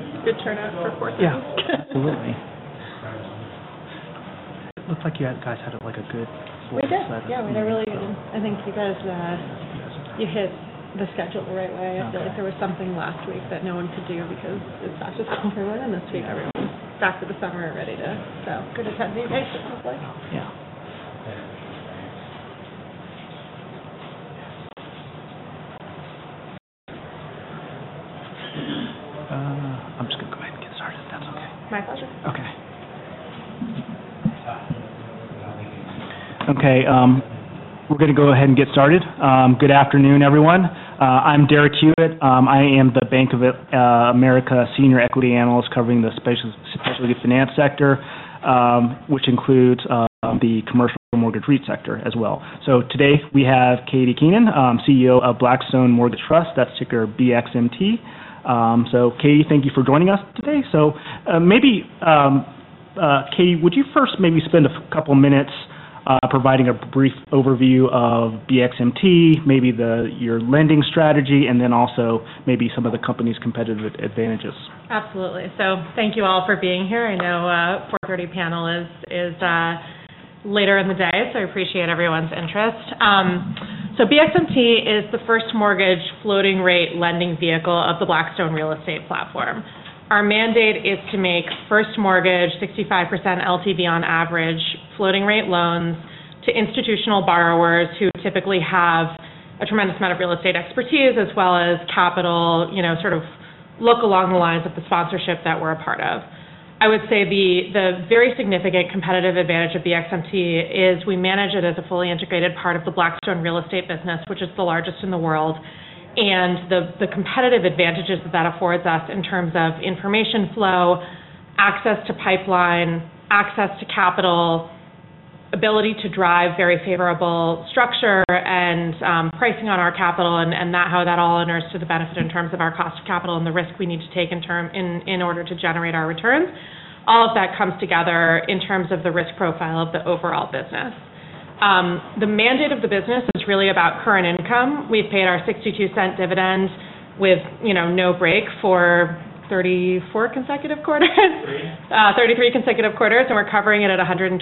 [SPEAKER 4] It's a good turnout for 4:30 P.M..
[SPEAKER 1] Yeah, absolutely. It looked like you guys had, like, a good full set.
[SPEAKER 4] We did. Yeah, we had a really good... I think because, you hit the schedule the right way.
[SPEAKER 3] Okay.
[SPEAKER 4] I feel like there was something last week that no one could do because it's not just everyone, and this week, everyone's back to the summer and ready to, so good attending you guys, it looks like.
[SPEAKER 1] Yeah. I'm just going to go ahead and get started, if that's okay.
[SPEAKER 4] My pleasure.
[SPEAKER 3] Okay. Okay, we're gonna go ahead and get started. Good afternoon, everyone. I'm Derek Hewett. I am the Bank of America Senior Equity Analyst covering the specialty finance sector, which includes the commercial mortgage REIT sector as well. So today, we have Katie Keenan, CEO of Blackstone Mortgage Trust. That's ticker BXMT. So, Katie, thank you for joining us today. So, Katie, would you first maybe spend a couple minutes providing a brief overview of BXMT, maybe your lending strategy, and then also maybe some of the company's competitive advantages?
[SPEAKER 4] Absolutely. So thank you all for being here. I know four thirty panel is later in the day, so I appreciate everyone's interest. So BXMT is the first mortgage floating rate lending vehicle of the Blackstone Real Estate platform. Our mandate is to make first mortgage, 65% LTV on average, floating rate loans to institutional borrowers who typically have a tremendous amount of real estate expertise, as well as capital, you know, sort of look along the lines of the sponsorship that we're a part of. I would say the very significant competitive advantage of BXMT is we manage it as a fully integrated part of the Blackstone Real Estate business, which is the largest in the world. And the competitive advantages that that affords us in terms of information flow, access to pipeline, access to capital, ability to drive very favorable structure and, pricing on our capital, and that- how that all inures to the benefit in terms of our cost of capital and the risk we need to take in order to generate our returns. All of that comes together in terms of the risk profile of the overall business. The mandate of the business is really about current income. We've paid our $0.62 dividend with, you know, no break for 34 consecutive quarters?
[SPEAKER 3] Thirty-three.
[SPEAKER 4] 33 consecutive quarters, and we're covering it at 127%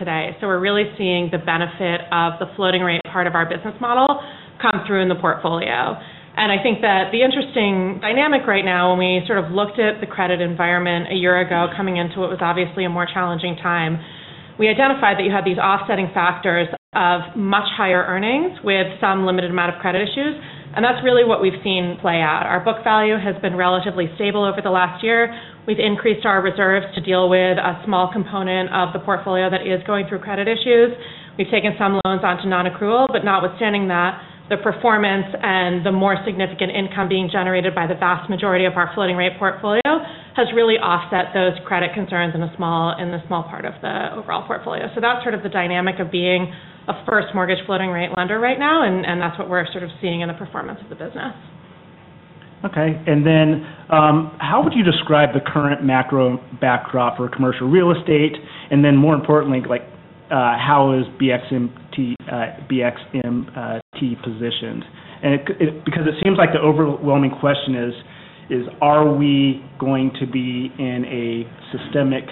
[SPEAKER 4] today. So we're really seeing the benefit of the floating rate part of our business model come through in the portfolio. And I think that the interesting dynamic right now, when we sort of looked at the credit environment a year ago, coming into what was obviously a more challenging time, we identified that you had these offsetting factors of much higher earnings with some limited amount of credit issues, and that's really what we've seen play out. Our book value has been relatively stable over the last year. We've increased our reserves to deal with a small component of the portfolio that is going through credit issues. We've taken some loans onto non-accrual, but notwithstanding that, the performance and the more significant income being generated by the vast majority of our floating rate portfolio has really offset those credit concerns in the small part of the overall portfolio. So that's sort of the dynamic of being a first mortgage floating rate lender right now, and that's what we're sort of seeing in the performance of the business.
[SPEAKER 3] Okay. And then, how would you describe the current macro backdrop for commercial real estate? And then, more importantly, how is BXMT, BXMT positioned? And it because it seems like the overwhelming question is are we going to be in a systemic,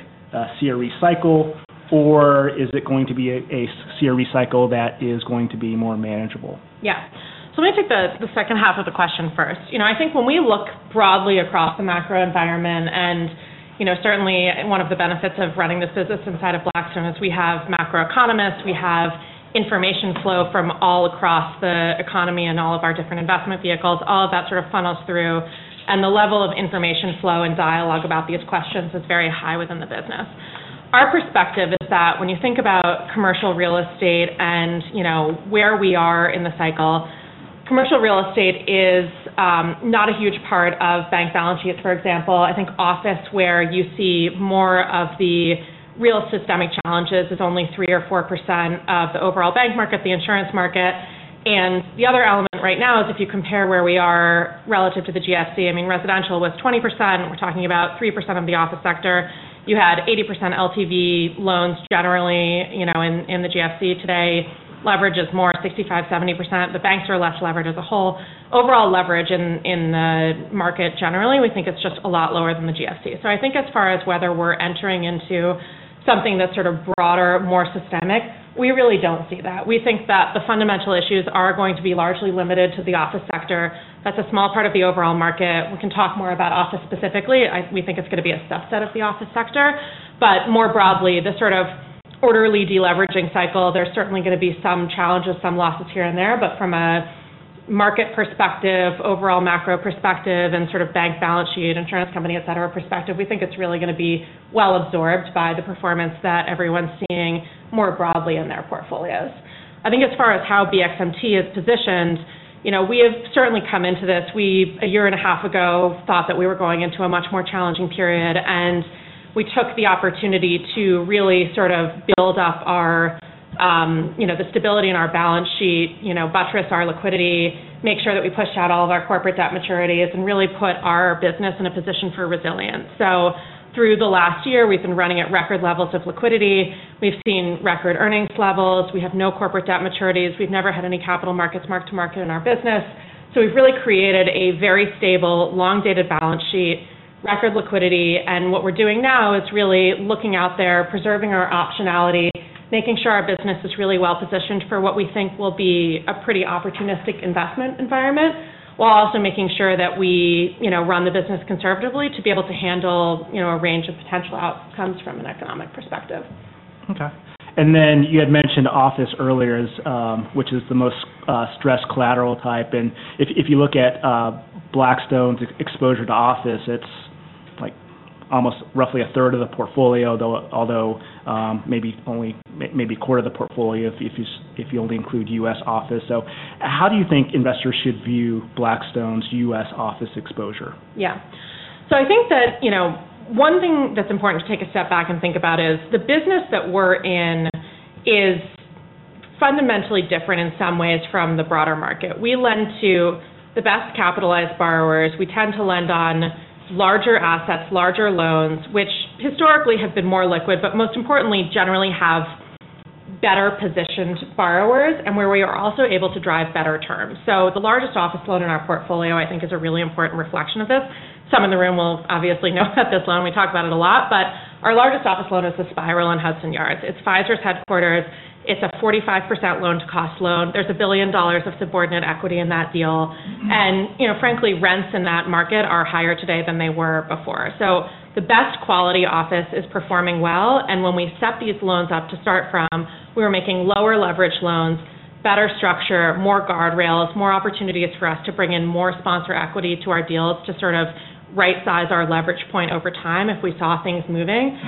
[SPEAKER 3] CRE cycle, or is it going to be a CRE cycle that is going to be more manageable?
[SPEAKER 4] Yeah. So let me take the second half of the question first. You know, I think when we look broadly across the macro environment, and, you know, certainly one of the benefits of running this business inside of Blackstone is we have macro economists, we have information flow from all across the economy and all of our different investment vehicles. All of that sort of funnels through, and the level of information flow and dialogue about these questions is very high within the business. Our perspective is that when you think about commercial real estate and, you know, where we are in the cycle, commercial real estate is not a huge part of bank balance sheets. For example, I think office, where you see more of the real systemic challenges, is only 3%-4% of the overall bank market, the insurance market. The other element right now is if you compare where we are relative to the GFC. I mean, residential was 20%. We're talking about 3% of the office sector. You had 80% LTV loans generally, you know, in the GFC. Today, leverage is more 65%-70%. The banks are less leveraged as a whole. Overall leverage in the market generally, we think it's just a lot lower than the GFC. So I think as far as whether we're entering into something that's sort of broader, more systemic, we really don't see that. We think that the fundamental issues are going to be largely limited to the office sector. That's a small part of the overall market. We can talk more about office specifically. We think it's gonna be a subset of the office sector, but more broadly, the sort of orderly de-leveraging cycle, there's certainly gonna be some challenges, some losses here and there. But from a market perspective, overall macro perspective, and sort of bank balance sheet, insurance company, et cetera, perspective, we think it's really gonna be well absorbed by the performance that everyone's seeing more broadly in their portfolios. I think as far as how BXMT is positioned, you know, we have certainly come into this. We, a year and a half ago, thought that we were going into a much more challenging period, and we took the opportunity to really sort of build up our, you know, the stability in our balance sheet, you know, buttress our liquidity, make sure that we pushed out all of our corporate debt maturities, and really put our business in a position for resilience. So through the last year, we've been running at record levels of liquidity. We've seen record earnings levels. We have no corporate debt maturities. We've never had any capital markets mark to market in our business. So we've really created a very stable, long-dated balance sheet, record liquidity, and what we're doing now is really looking out there, preserving our optionality, making sure our business is really well positioned for what we think will be a pretty opportunistic investment environment, while also making sure that we, you know, run the business conservatively to be able to handle, you know, a range of potential outcomes from an economic perspective.
[SPEAKER 3] Okay. And then you had mentioned office earlier as which is the most stressed collateral type, and if you look at Blackstone's exposure to office, it's like almost roughly a third of the portfolio, though although maybe only a quarter of the portfolio if you only include U.S. office. So how do you think investors should view Blackstone's U.S. office exposure?
[SPEAKER 4] Yeah. So I think that, you know, one thing that's important to take a step back and think about is, the business that we're in is fundamentally different in some ways from the broader market. We lend to the best capitalized borrowers. We tend to lend on larger assets, larger loans, which historically have been more liquid, but most importantly, generally have better positioned borrowers and where we are also able to drive better terms. So the largest office loan in our portfolio, I think, is a really important reflection of this. Some in the room will obviously know about this loan. We talk about it a lot, but our largest office loan is the Spiral on Hudson Yards. It's Pfizer's headquarters. It's a 45% loan to cost loan. There's $1 billion of subordinate equity in that deal. You know, frankly, rents in that market are higher today than they were before. So the best quality office is performing well, and when we set these loans up to start from, we were making lower leverage loans, better structure, more guardrails, more opportunities for us to bring in more sponsor equity to our deals to sort of right size our leverage point over time if we saw things moving.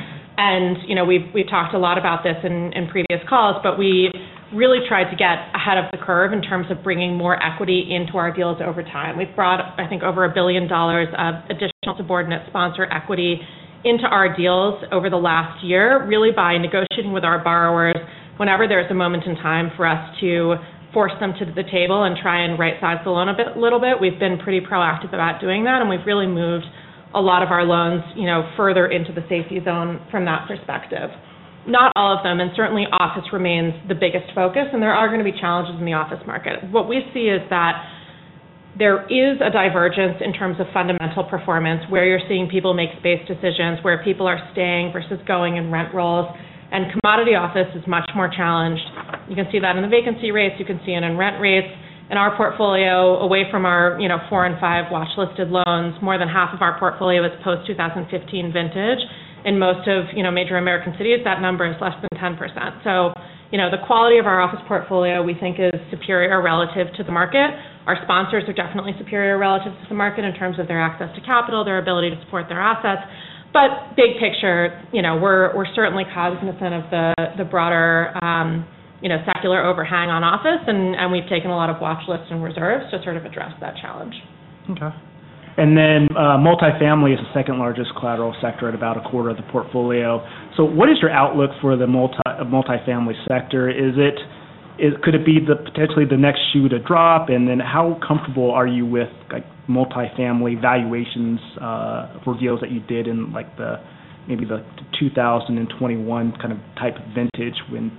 [SPEAKER 4] You know, we've talked a lot about this in previous calls, but we really tried to get ahead of the curve in terms of bringing more equity into our deals over time. We've brought, I think, over $1 billion of additional subordinate sponsor equity into our deals over the last year, really by negotiating with our borrowers. Whenever there's a moment in time for us to force them to the table and try and rightsize the loan a bit, little bit, we've been pretty proactive about doing that, and we've really moved a lot of our loans, you know, further into the safety zone from that perspective. Not all of them, and certainly office remains the biggest focus, and there are gonna be challenges in the office market. What we see is that there is a divergence in terms of fundamental performance, where you're seeing people make space decisions, where people are staying versus going in rent rolls, and commodity office is much more challenged. You can see that in the vacancy rates, you can see it in rent rates. In our portfolio, away from our, you know, four and five watchlisted loans, more than half of our portfolio is post-2015 vintage. In most of, you know, major American cities, that number is less than 10%. So, you know, the quality of our office portfolio, we think, is superior relative to the market. Our sponsors are definitely superior relatives to the market in terms of their access to capital, their ability to support their assets. But big picture, you know, we're certainly cognizant of the broader, you know, secular overhang on office, and we've taken a lot of watchlists and reserves to sort of address that challenge.
[SPEAKER 3] Okay. And then, multifamily is the second largest collateral sector at about a quarter of the portfolio. So what is your outlook for the multifamily sector? Is it... could it be the, potentially the next shoe to drop? And then how comfortable are you with, like, multifamily valuations, for deals that you did in, like, the maybe the 2021 kind of type vintage when,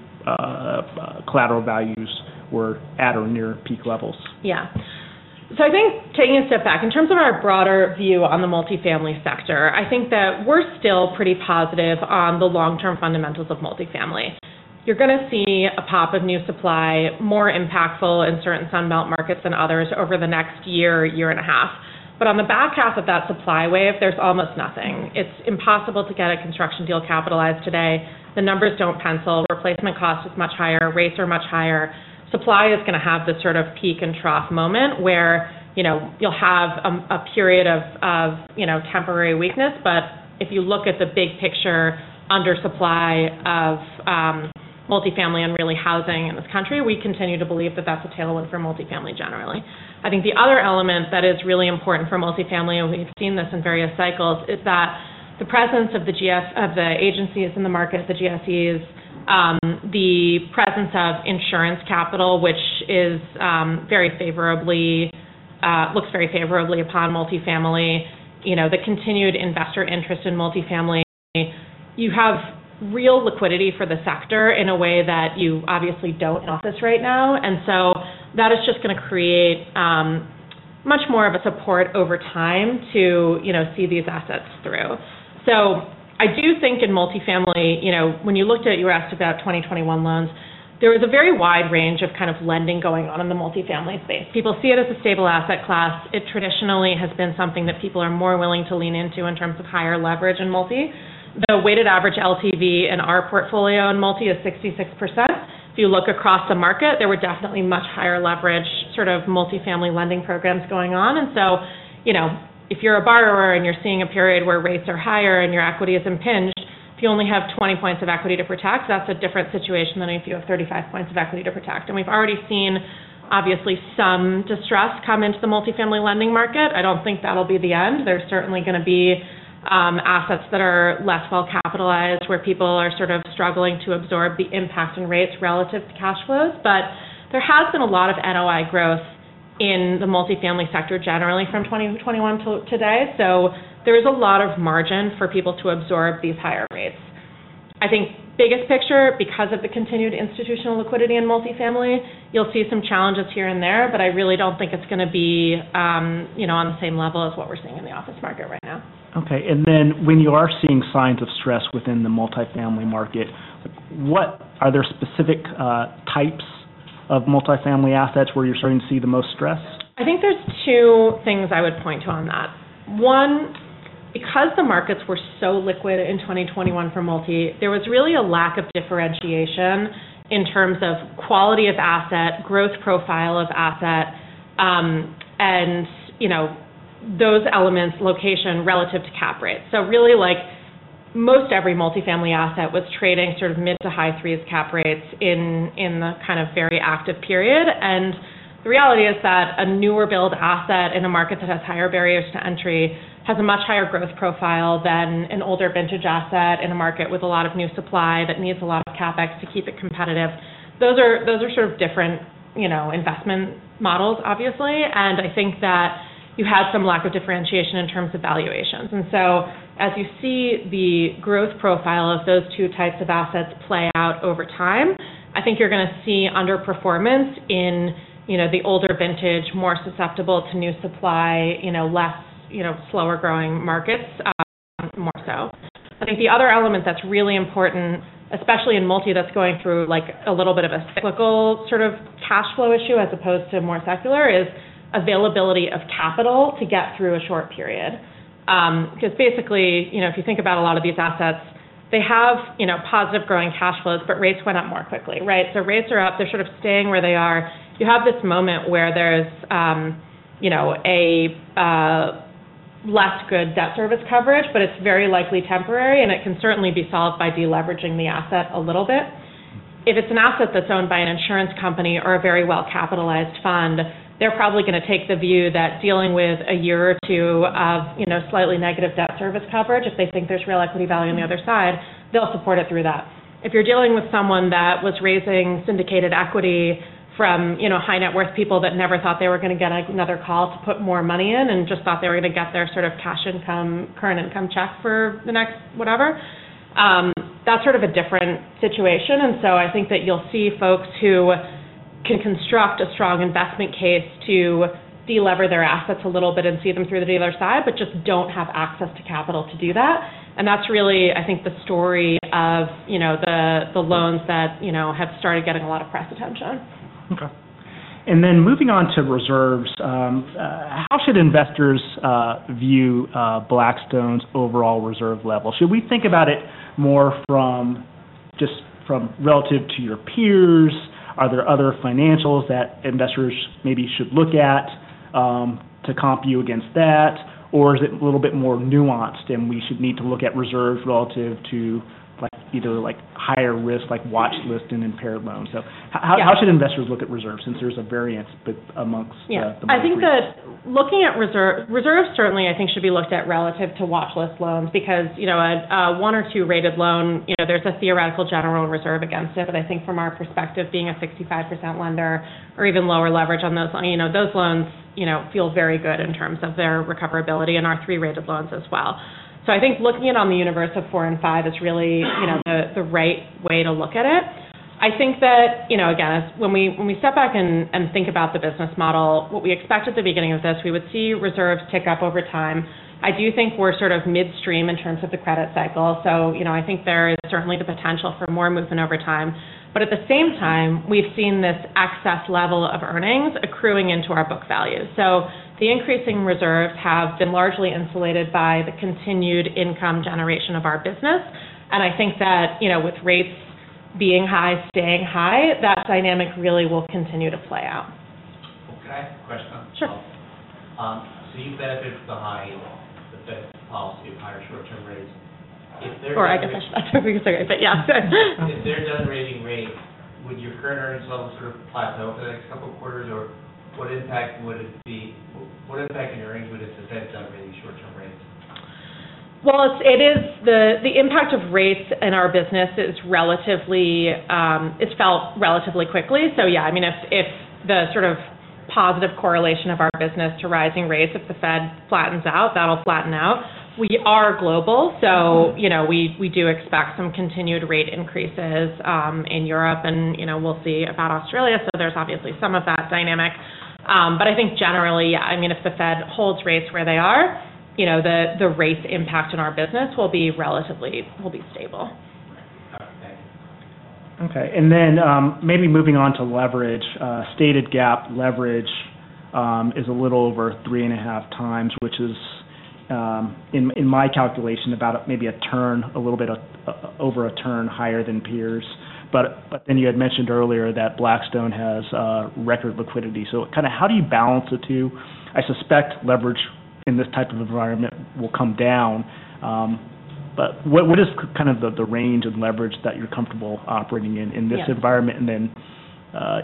[SPEAKER 3] collateral values were at or near peak levels?
[SPEAKER 4] Yeah. So I think taking a step back, in terms of our broader view on the multifamily sector, I think that we're still pretty positive on the long-term fundamentals of multifamily. You're gonna see a pop of new supply, more impactful in certain Sun Belt markets than others over the next year, year and a half. But on the back half of that supply wave, there's almost nothing. It's impossible to get a construction deal capitalized today. The numbers don't pencil. Replacement cost is much higher, rates are much higher. Supply is gonna have this sort of peak and trough moment where, you know, you'll have a period of you know, temporary weakness. But if you look at the big picture, under supply of multifamily and really housing in this country, we continue to believe that that's a tailwind for multifamily generally. I think the other element that is really important for multifamily, and we've seen this in various cycles, is that the presence of the agencies in the market, the GSEs, the presence of insurance capital, which is, looks very favorably upon multifamily, you know, the continued investor interest in multifamily. You have real liquidity for the sector in a way that you obviously don't in office right now. And so that is just gonna create, much more of a support over time to, you know, see these assets through. So I do think in multifamily, you know, when you were asked about 2021 loans, there was a very wide range of kind of lending going on in the multifamily space. People see it as a stable asset class. It traditionally has been something that people are more willing to lean into in terms of higher leverage in multi. The weighted average LTV in our portfolio in multi is 66%. If you look across the market, there were definitely much higher leverage, sort of multifamily lending programs going on. And so, you know, if you're a borrower and you're seeing a period where rates are higher and your equity is impinged, if you only have 20 points of equity to protect, that's a different situation than if you have 35 points of equity to protect. And we've already seen, obviously, some distress come into the multifamily lending market. I don't think that'll be the end. There's certainly gonna be assets that are less well-capitalized, where people are sort of struggling to absorb the impact in rates relative to cash flows. But there has been a lot of NOI growth in the multifamily sector, generally from 2021 till today. So there is a lot of margin for people to absorb these higher rates. I think biggest picture, because of the continued institutional liquidity in multifamily, you'll see some challenges here and there, but I really don't think it's gonna be, you know, on the same level as what we're seeing in the office market right now.
[SPEAKER 3] Okay. And then when you are seeing signs of stress within the multifamily market, what are there specific types of multifamily assets where you're starting to see the most stress?
[SPEAKER 4] I think there's two things I would point to on that. One, because the markets were so liquid in 2021 for multi, there was really a lack of differentiation in terms of quality of asset, growth profile of asset, and, you know, those elements, location relative to cap rates. So really, like, most every multifamily asset was trading sort of mid- to high-3s cap rates in the kind of very active period. And the reality is that a newer build asset in a market that has higher barriers to entry has a much higher growth profile than an older vintage asset in a market with a lot of new supply that needs a lot of CapEx to keep it competitive. Those are sort of different, you know, investment models, obviously. And I think that you had some lack of differentiation in terms of valuations. And so as you see the growth profile of those two types of assets play out over time, I think you're gonna see underperformance in, you know, the older vintage, more susceptible to new supply, you know, less, you know, slower growing markets, more so. I think the other element that's really important, especially in multi, that's going through like a little bit of a cyclical sort of cash flow issue, as opposed to more secular, is availability of capital to get through a short period. 'Cause basically, you know, if you think about a lot of these assets, they have, you know, positive growing cash flows, but rates went up more quickly, right? So rates are up. They're sort of staying where they are. You have this moment where there's, you know, a less good debt service coverage, but it's very likely temporary, and it can certainly be solved by deleveraging the asset a little bit. If it's an asset that's owned by an insurance company or a very well-capitalized fund, they're probably gonna take the view that dealing with a year or two of, you know, slightly negative debt service coverage, if they think there's real equity value on the other side, they'll support it through that. If you're dealing with someone that was raising syndicated equity from, you know, high net worth people that never thought they were gonna get another call to put more money in and just thought they were gonna get their sort of cash income, current income check for the next whatever, that's sort of a different situation. And so I think that you'll see folks who can construct a strong investment case to delever their assets a little bit and see them through to the other side, but just don't have access to capital to do that. And that's really, I think, the story of, you know, the loans that, you know, have started getting a lot of press attention.
[SPEAKER 3] Okay. Then moving on to reserves, how should investors view Blackstone's overall reserve level? Should we think about it more from just relative to your peers? Are there other financials that investors maybe should look at to comp you against that? Or is it a little bit more nuanced, and we should need to look at reserves relative to, like, either, like, higher risk, like, watchlist and impaired loans? So how should investors look at reserves since there's a variance, but amongst the-
[SPEAKER 4] Yeah. I think that looking at reserve... Reserves, certainly, I think, should be looked at relative to watchlist loans, because, you know, a, a one or two rated loan, you know, there's a theoretical general reserve against it. But I think from our perspective, being a 65% lender or even lower leverage on those, you know, those loans, you know, feel very good in terms of their recoverability and our three rated loans as well. So I think looking it on the universe of four and five is really, you know, the, the right way to look at it.... I think that, you know, again, as when we, when we step back and, and think about the business model, what we expect at the beginning of this, we would see reserves tick up over time. I do think we're sort of midstream in terms of the credit cycle. So, you know, I think there is certainly the potential for more movement over time. But at the same time, we've seen this excess level of earnings accruing into our book value. So the increasing reserves have been largely insulated by the continued income generation of our business. And I think that, you know, with rates being high, staying high, that dynamic really will continue to play out.
[SPEAKER 5] Okay, I have a question.
[SPEAKER 4] Sure.
[SPEAKER 5] So, you benefit from the high floor, the Fed policy of higher short-term rates. If they're-
[SPEAKER 4] I guess, but yeah.
[SPEAKER 5] If they're done raising rates, would your current earnings level sort of plateau for the next couple of quarters, or what impact would it be - what impact in earnings would it the Fed done raising short-term rates?
[SPEAKER 4] Well, it is the impact of rates in our business is relatively, it's felt relatively quickly. So yeah, I mean, if the sort of positive correlation of our business to rising rates, if the Fed flattens out, that'll flatten out. We are global, so, you know, we do expect some continued rate increases in Europe and, you know, we'll see about Australia. So there's obviously some of that dynamic. But I think generally, yeah, I mean, if the Fed holds rates where they are, you know, the rates impact on our business will be relatively, will be stable.
[SPEAKER 5] Okay.
[SPEAKER 3] Okay, and then, maybe moving on to leverage. Stated GAAP leverage is a little over 3.5x, which is, in my calculation, about maybe a turn, a little bit of, over a turn higher than peers. But then you had mentioned earlier that Blackstone has record liquidity. So kind of how do you balance the two? I suspect leverage in this type of environment will come down, but what is kind of the range of leverage that you're comfortable operating in, in this-
[SPEAKER 4] Yeah...
[SPEAKER 3] environment? And then,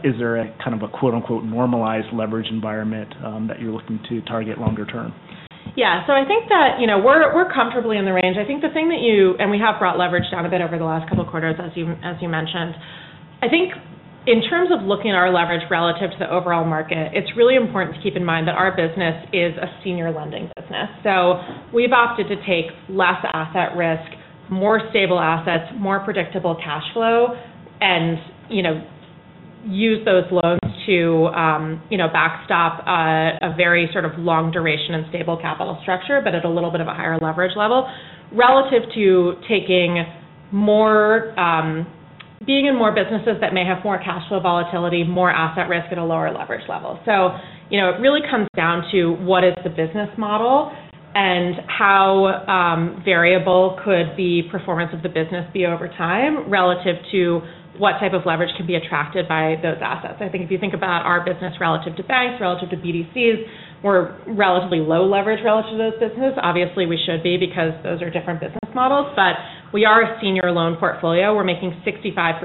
[SPEAKER 3] is there a kind of a, quote-unquote, "normalized leverage environment," that you're looking to target longer term?
[SPEAKER 4] Yeah. So I think that, you know, we're comfortably in the range. I think the thing that you and we have brought leverage down a bit over the last couple of quarters, as you mentioned. I think in terms of looking at our leverage relative to the overall market, it's really important to keep in mind that our business is a senior lending business. So we've opted to take less asset risk, more stable assets, more predictable cash flow, and, you know, use those loans to, you know, backstop a very sort of long duration and stable capital structure, but at a little bit of a higher leverage level, relative to taking more, being in more businesses that may have more cash flow volatility, more asset risk at a lower leverage level. So you know, it really comes down to what is the business model and how variable could the performance of the business be over time, relative to what type of leverage could be attracted by those assets. I think if you think about our business relative to banks, relative to BDCs, we're relatively low leverage relative to those businesses. Obviously, we should be, because those are different business models, but we are a senior loan portfolio. We're making 65%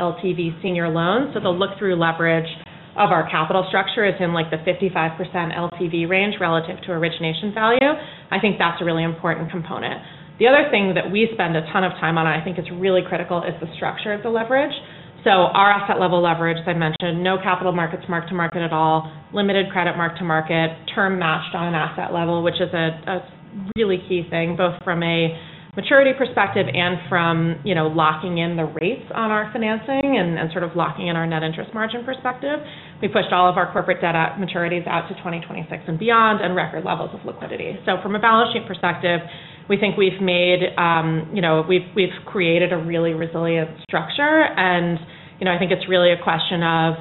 [SPEAKER 4] LTV senior loans, so the look-through leverage of our capital structure is in, like, the 55% LTV range relative to origination value. I think that's a really important component. The other thing that we spend a ton of time on, and I think it's really critical, is the structure of the leverage. So our asset level leverage, as I mentioned, no capital markets mark to market at all, limited credit mark to market, term matched on an asset level, which is a really key thing, both from a maturity perspective and from, you know, locking in the rates on our financing and, and sort of locking in our net interest margin perspective. We pushed all of our corporate debt maturities out to 2026 and beyond, and record levels of liquidity. So from a balance sheet perspective, we think we've made, you know, we've created a really resilient structure. And, you know, I think it's really a question of,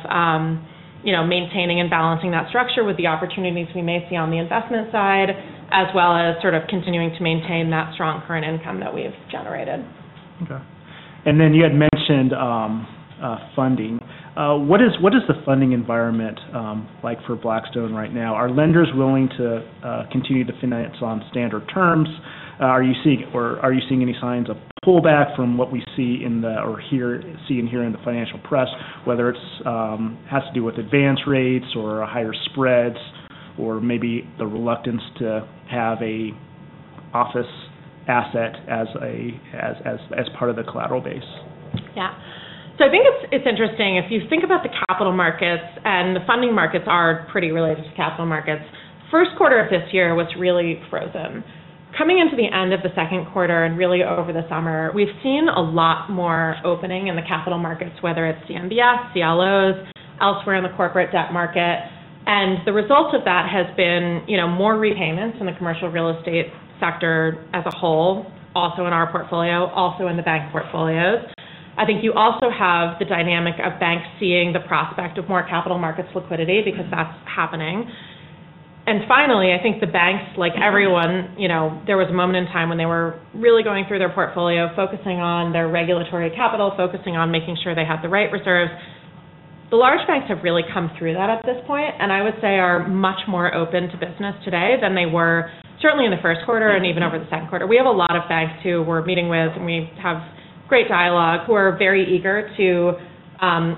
[SPEAKER 4] you know, maintaining and balancing that structure with the opportunities we may see on the investment side, as well as sort of continuing to maintain that strong current income that we've generated.
[SPEAKER 3] Okay. And then you had mentioned funding. What is the funding environment like for Blackstone right now? Are lenders willing to continue to finance on standard terms? Are you seeing or are you seeing any signs of pullback from what we see and hear in the financial press, whether it's has to do with advance rates or higher spreads, or maybe the reluctance to have an office asset as a part of the collateral base?
[SPEAKER 4] Yeah. So I think it's interesting. If you think about the capital markets, and the funding markets are pretty related to capital markets. First quarter of this year was really frozen. Coming into the end of the second quarter and really over the summer, we've seen a lot more opening in the capital markets, whether it's CMBS, CLOs, elsewhere in the corporate debt market. And the result of that has been, you know, more repayments in the commercial real estate sector as a whole, also in our portfolio, also in the bank portfolios. I think you also have the dynamic of banks seeing the prospect of more capital markets liquidity because that's happening. Finally, I think the banks, like everyone, you know, there was a moment in time when they were really going through their portfolio, focusing on their regulatory capital, focusing on making sure they had the right reserves. The large banks have really come through that at this point, and I would say are much more open to business today than they were certainly in the first quarter and even over the second quarter. We have a lot of banks who we're meeting with, and we have great dialogue, who are very eager to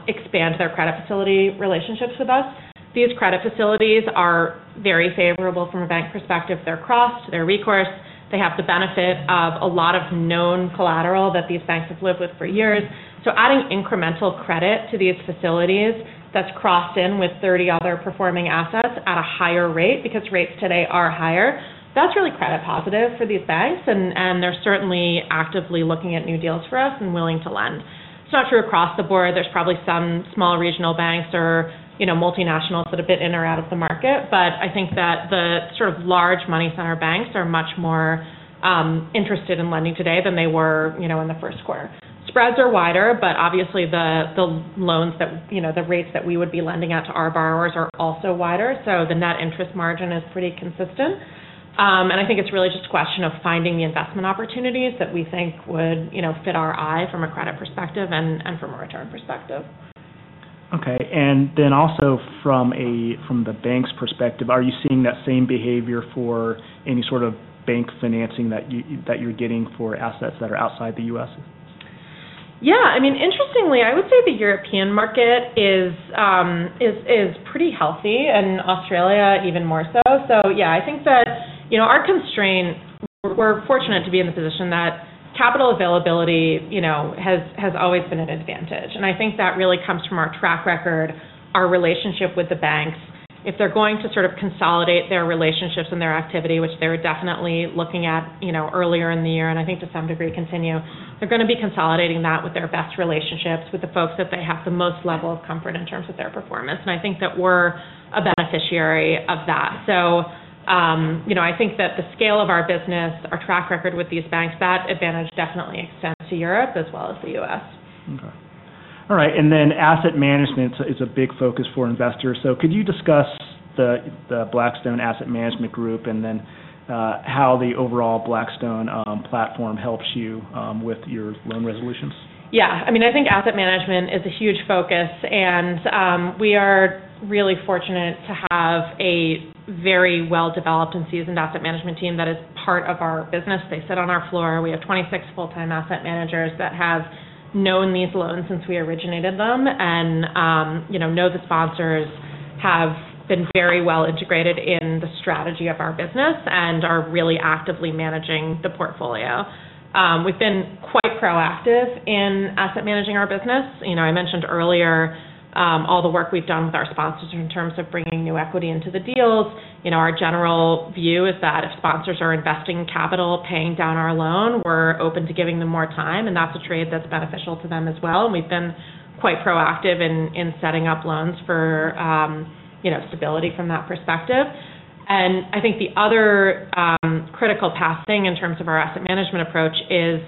[SPEAKER 4] expand their credit facility relationships with us. These credit facilities are very favorable from a bank perspective. They're crossed, they're recourse, they have the benefit of a lot of known collateral that these banks have lived with for years. So adding incremental credit to these facilities that's crossed in with 30 other performing assets at a higher rate, because rates today are higher, that's really credit positive for these banks, and they're certainly actively looking at new deals for us and willing to lend. It's not true across the board. There's probably some small regional banks or, you know, multinationals that have been in or out of the market. But I think that the sort of large money center banks are much more interested in lending today than they were, you know, in the first quarter. Spreads are wider, but obviously the loans that, you know, the rates that we would be lending out to our borrowers are also wider, so the net interest margin is pretty consistent. I think it's really just a question of finding the investment opportunities that we think would, you know, fit our eye from a credit perspective and from a return perspective.
[SPEAKER 3] Okay. And then also from the bank's perspective, are you seeing that same behavior for any sort of bank financing that you're getting for assets that are outside the U.S.?
[SPEAKER 4] Yeah. I mean, interestingly, I would say the European market is pretty healthy, and Australia even more so. So yeah, I think that, you know, our constraint, we're fortunate to be in the position that capital availability, you know, has always been an advantage. And I think that really comes from our track record, our relationship with the banks. If they're going to sort of consolidate their relationships and their activity, which they were definitely looking at, you know, earlier in the year, and I think to some degree, continue, they're gonna be consolidating that with their best relationships, with the folks that they have the most level of comfort in terms of their performance. And I think that we're a beneficiary of that. You know, I think that the scale of our business, our track record with these banks, that advantage definitely extends to Europe as well as the U.S..
[SPEAKER 3] Okay. All right, and then asset management is a big focus for investors. So could you discuss the Blackstone Asset Management group and then, how the overall Blackstone platform helps you with your loan resolutions?
[SPEAKER 4] Yeah. I mean, I think asset management is a huge focus, and we are really fortunate to have a very well-developed and seasoned asset management team that is part of our business. They sit on our floor. We have 26 full-time asset managers that have known these loans since we originated them, and you know, know the sponsors, have been very well integrated in the strategy of our business and are really actively managing the portfolio. We've been quite proactive in asset managing our business. You know, I mentioned earlier, all the work we've done with our sponsors in terms of bringing new equity into the deals. You know, our general view is that if sponsors are investing capital, paying down our loan, we're open to giving them more time, and that's a trade that's beneficial to them as well. We've been quite proactive in setting up loans for, you know, stability from that perspective. I think the other critical path thing in terms of our asset management approach is,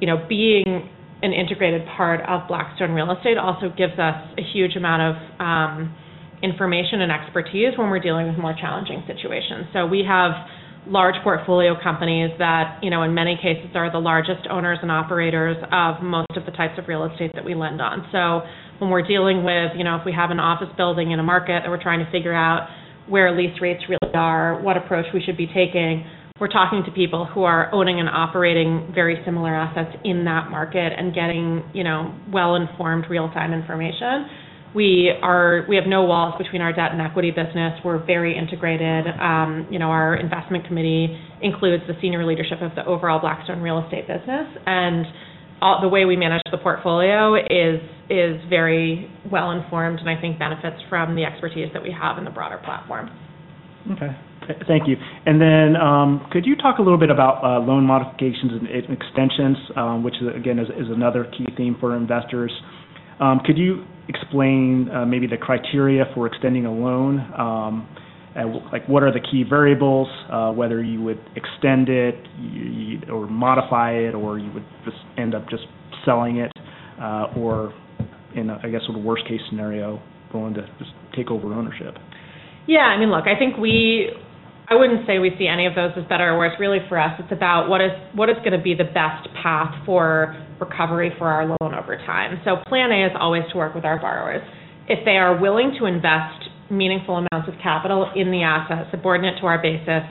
[SPEAKER 4] you know, being an integrated part of Blackstone Real Estate also gives us a huge amount of information and expertise when we're dealing with more challenging situations. So we have large portfolio companies that, you know, in many cases, are the largest owners and operators of most of the types of real estate that we lend on. So when we're dealing with, you know, if we have an office building in a market, and we're trying to figure out where lease rates really are, what approach we should be taking, we're talking to people who are owning and operating very similar assets in that market and getting, you know, well-informed, real-time information. We have no walls between our debt and equity business. We're very integrated. You know, our investment committee includes the senior leadership of the overall Blackstone Real Estate business. And the way we manage the portfolio is very well informed, and I think benefits from the expertise that we have in the broader platform.
[SPEAKER 3] Okay, thank you. And then, could you talk a little bit about loan modifications and extensions, which is, again, another key theme for investors. Could you explain, maybe the criteria for extending a loan? Like, what are the key variables, whether you would extend it, you-- or modify it, or you would just end up just selling it, or in a, I guess, the worst-case scenario, going to just take over ownership?
[SPEAKER 4] Yeah, I mean, look, I think I wouldn't say we see any of those as better or worse. Really for us, it's about what is, what is gonna be the best path for recovery for our loan over time. So plan A is always to work with our borrowers. If they are willing to invest meaningful amounts of capital in the asset, subordinate to our basis,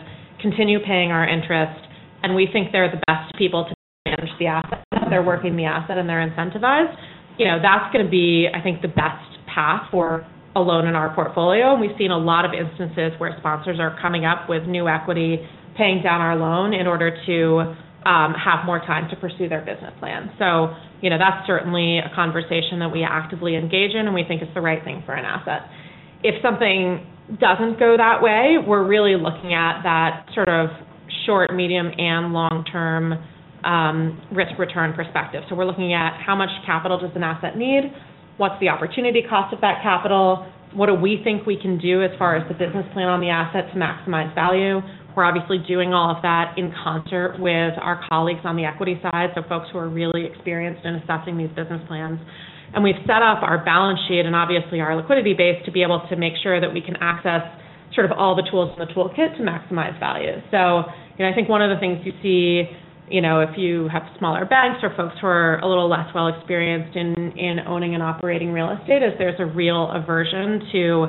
[SPEAKER 4] continue paying our interest, and we think they're the best people to manage the asset, they're working the asset and they're incentivized, you know, that's gonna be, I think, the best path for a loan in our portfolio. We've seen a lot of instances where sponsors are coming up with new equity, paying down our loan in order to have more time to pursue their business plan. So, you know, that's certainly a conversation that we actively engage in, and we think it's the right thing for an asset. If something doesn't go that way, we're really looking at that sort of short, medium, and long-term risk-return perspective. So we're looking at how much capital does an asset need? What's the opportunity cost of that capital? What do we think we can do as far as the business plan on the asset to maximize value? We're obviously doing all of that in concert with our colleagues on the equity side, so folks who are really experienced in assessing these business plans. We've set up our balance sheet and obviously our liquidity base, to be able to make sure that we can access sort of all the tools in the toolkit to maximize value. So, you know, I think one of the things you see, you know, if you have smaller banks or folks who are a little less well-experienced in owning and operating real estate, is there's a real aversion to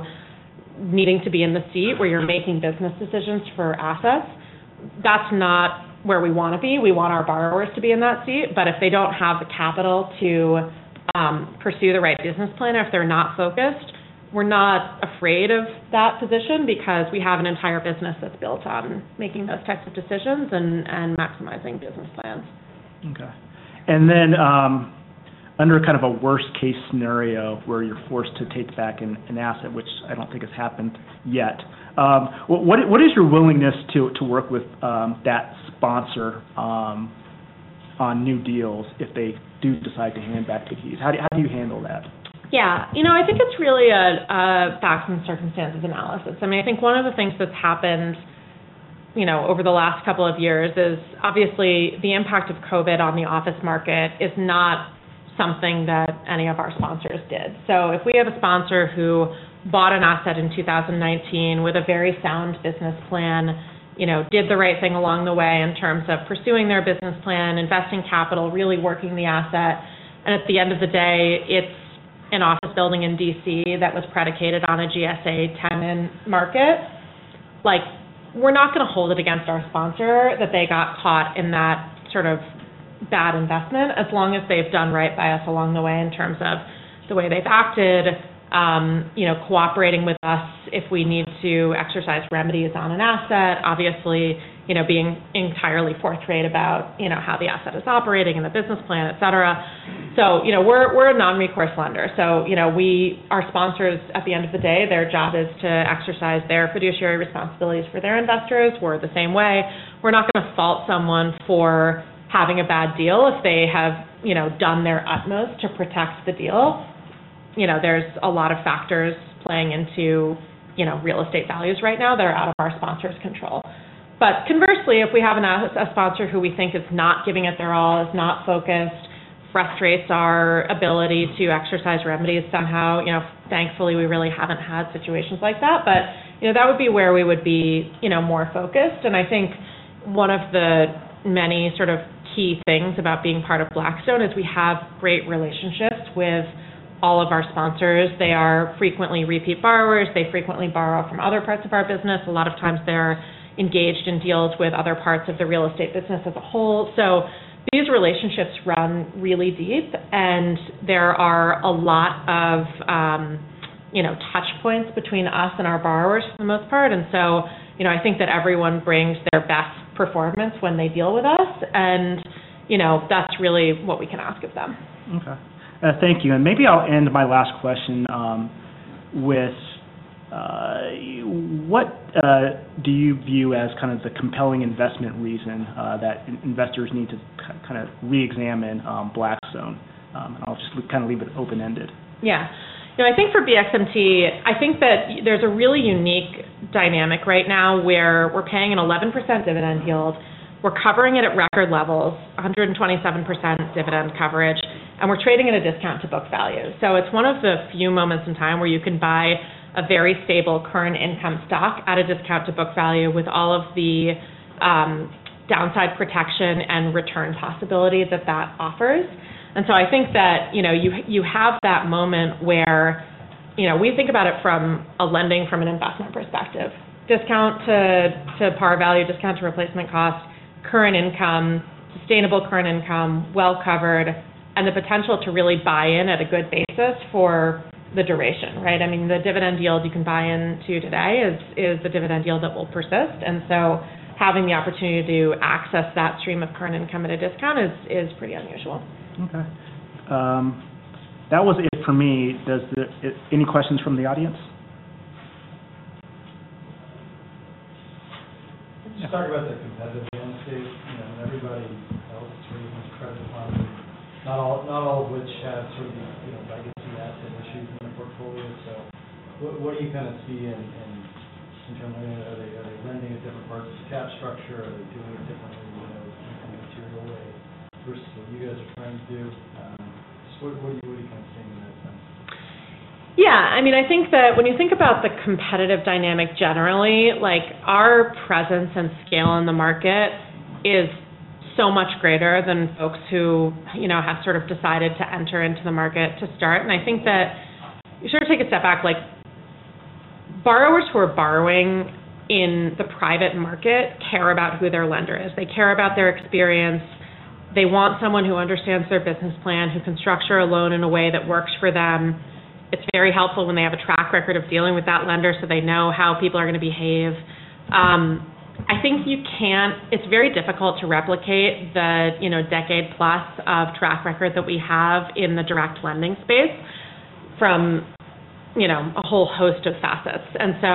[SPEAKER 4] needing to be in the seat where you're making business decisions for assets. That's not where we wanna be. We want our borrowers to be in that seat, but if they don't have the capital to pursue the right business plan, or if they're not focused, we're not afraid of that position because we have an entire business that's built on making those types of decisions and maximizing business plans.
[SPEAKER 3] Okay. And then, under kind of a worst-case scenario where you're forced to take back an asset, which I don't think has happened yet, what is your willingness to work with that sponsor on new deals if they do decide to hand back the keys? How do you handle that?
[SPEAKER 4] Yeah. You know, I think it's really a facts and circumstances analysis. I mean, I think one of the things that's happened, you know, over the last couple of years is obviously the impact of COVID on the office market is not something that any of our sponsors did. So if we have a sponsor who bought an asset in 2019 with a very sound business plan, you know, did the right thing along the way in terms of pursuing their business plan, investing capital, really working the asset, and at the end of the day, it's an office building in D.C. that was predicated on a GSA tenant market, like, we're not going to hold it against our sponsor that they got caught in that sort of bad investment, as long as they've done right by us along the way in terms of the way they've acted, you know, cooperating with us if we need to exercise remedies on an asset, obviously, you know, being entirely forthright about, you know, how the asset is operating and the business plan, et cetera. So, you know, we're a non-recourse lender. So, you know, Our sponsors, at the end of the day, their job is to exercise their fiduciary responsibilities for their investors. We're the same way. We're not going to fault someone for having a bad deal if they have, you know, done their utmost to protect the deal. You know, there's a lot of factors playing into, you know, real estate values right now that are out of our sponsors' control. But conversely, if we have a sponsor who we think is not giving it their all, is not focused, frustrates our ability to exercise remedies somehow, you know, thankfully, we really haven't had situations like that. But, you know, that would be where we would be, you know, more focused. I think one of the many sort of key things about being part of Blackstone is we have great relationships with all of our sponsors. They are frequently repeat borrowers. They frequently borrow from other parts of our business. A lot of times they're engaged in deals with other parts of the real estate business as a whole. So these relationships run really deep, and there are a lot of, you know, touch points between us and our borrowers for the most part. And so, you know, I think that everyone brings their best performance when they deal with us, and, you know, that's really what we can ask of them.
[SPEAKER 3] Okay. Thank you. And maybe I'll end my last question with what do you view as kind of the compelling investment reason that investors need to kind of reexamine Blackstone? And I'll just kind of leave it open-ended.
[SPEAKER 4] Yeah. You know, I think for BXMT, I think that there's a really unique dynamic right now where we're paying an 11% dividend yield. We're covering it at record levels, 127% dividend coverage, and we're trading at a discount to book value. So it's one of the few moments in time where you can buy a very stable current income stock at a discount to book value with all of the downside protection and return possibility that that offers. And so I think that, you know, you, you have that moment where, you know, we think about it from a lending, from an investment perspective, discount to, to par value, discount to replacement cost, current income, sustainable current income, well covered, and the potential to really buy in at a good basis for the duration, right? I mean, the dividend yield you can buy into today is a dividend yield that will persist. And so having the opportunity to access that stream of current income at a discount is pretty unusual.
[SPEAKER 3] Okay. That was it for me. Does the... Any questions from the audience?
[SPEAKER 5] Just talk about the competitive landscape. You know, everybody holds pretty much credit on, not all, not all of which have certain, you know, legacy asset issues in their portfolio. So what, what do you kind of see in, in terms of are they, are they lending at different parts of cap structure? Are they doing it differently, you know, in a material way versus what you guys are trying to do? So what are you really kind of seeing in that sense?
[SPEAKER 4] Yeah, I mean, I think that when you think about the competitive dynamic, generally, like, our presence and scale in the market is so much greater than folks who, you know, have sort of decided to enter into the market to start. I think that you sort of take a step back, like, borrowers who are borrowing in the private market care about who their lender is. They care about their experience. They want someone who understands their business plan, who can structure a loan in a way that works for them. It's very helpful when they have a track record of dealing with that lender, so they know how people are going to behave. I think it's very difficult to replicate the, you know, decade plus of track record that we have in the direct lending space from, you know, a whole host of assets. So,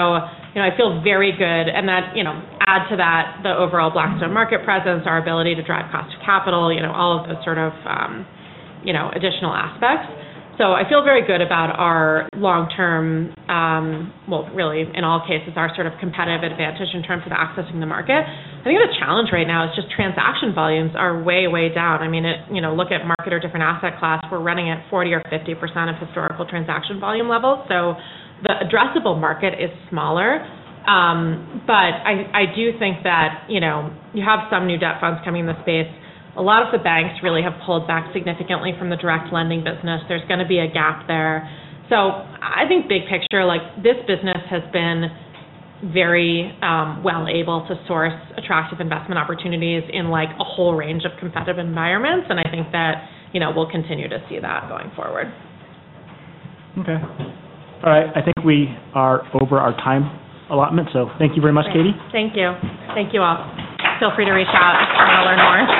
[SPEAKER 4] you know, I feel very good. And that, you know, add to that the overall Blackstone market presence, our ability to drive cost to capital, you know, all of the sort of, you know, additional aspects. So I feel very good about our long-term. Well, really, in all cases, our sort of competitive advantage in terms of accessing the market. I think the challenge right now is just transaction volumes are way, way down. I mean, it, you know, look at market or different asset class, we're running at 40% or 50% of historical transaction volume levels. So the addressable market is smaller. But I do think that, you know, you have some new debt funds coming in the space. A lot of the banks really have pulled back significantly from the direct lending business. There's going to be a gap there. I think big picture, like, this business has been very, well able to source attractive investment opportunities in, like, a whole range of competitive environments, and I think that, you know, we'll continue to see that going forward.
[SPEAKER 3] Okay. All right. I think we are over our time allotment, so thank you very much, Katie.
[SPEAKER 4] Thank you. Thank you all. Feel free to reach out if you want to learn more.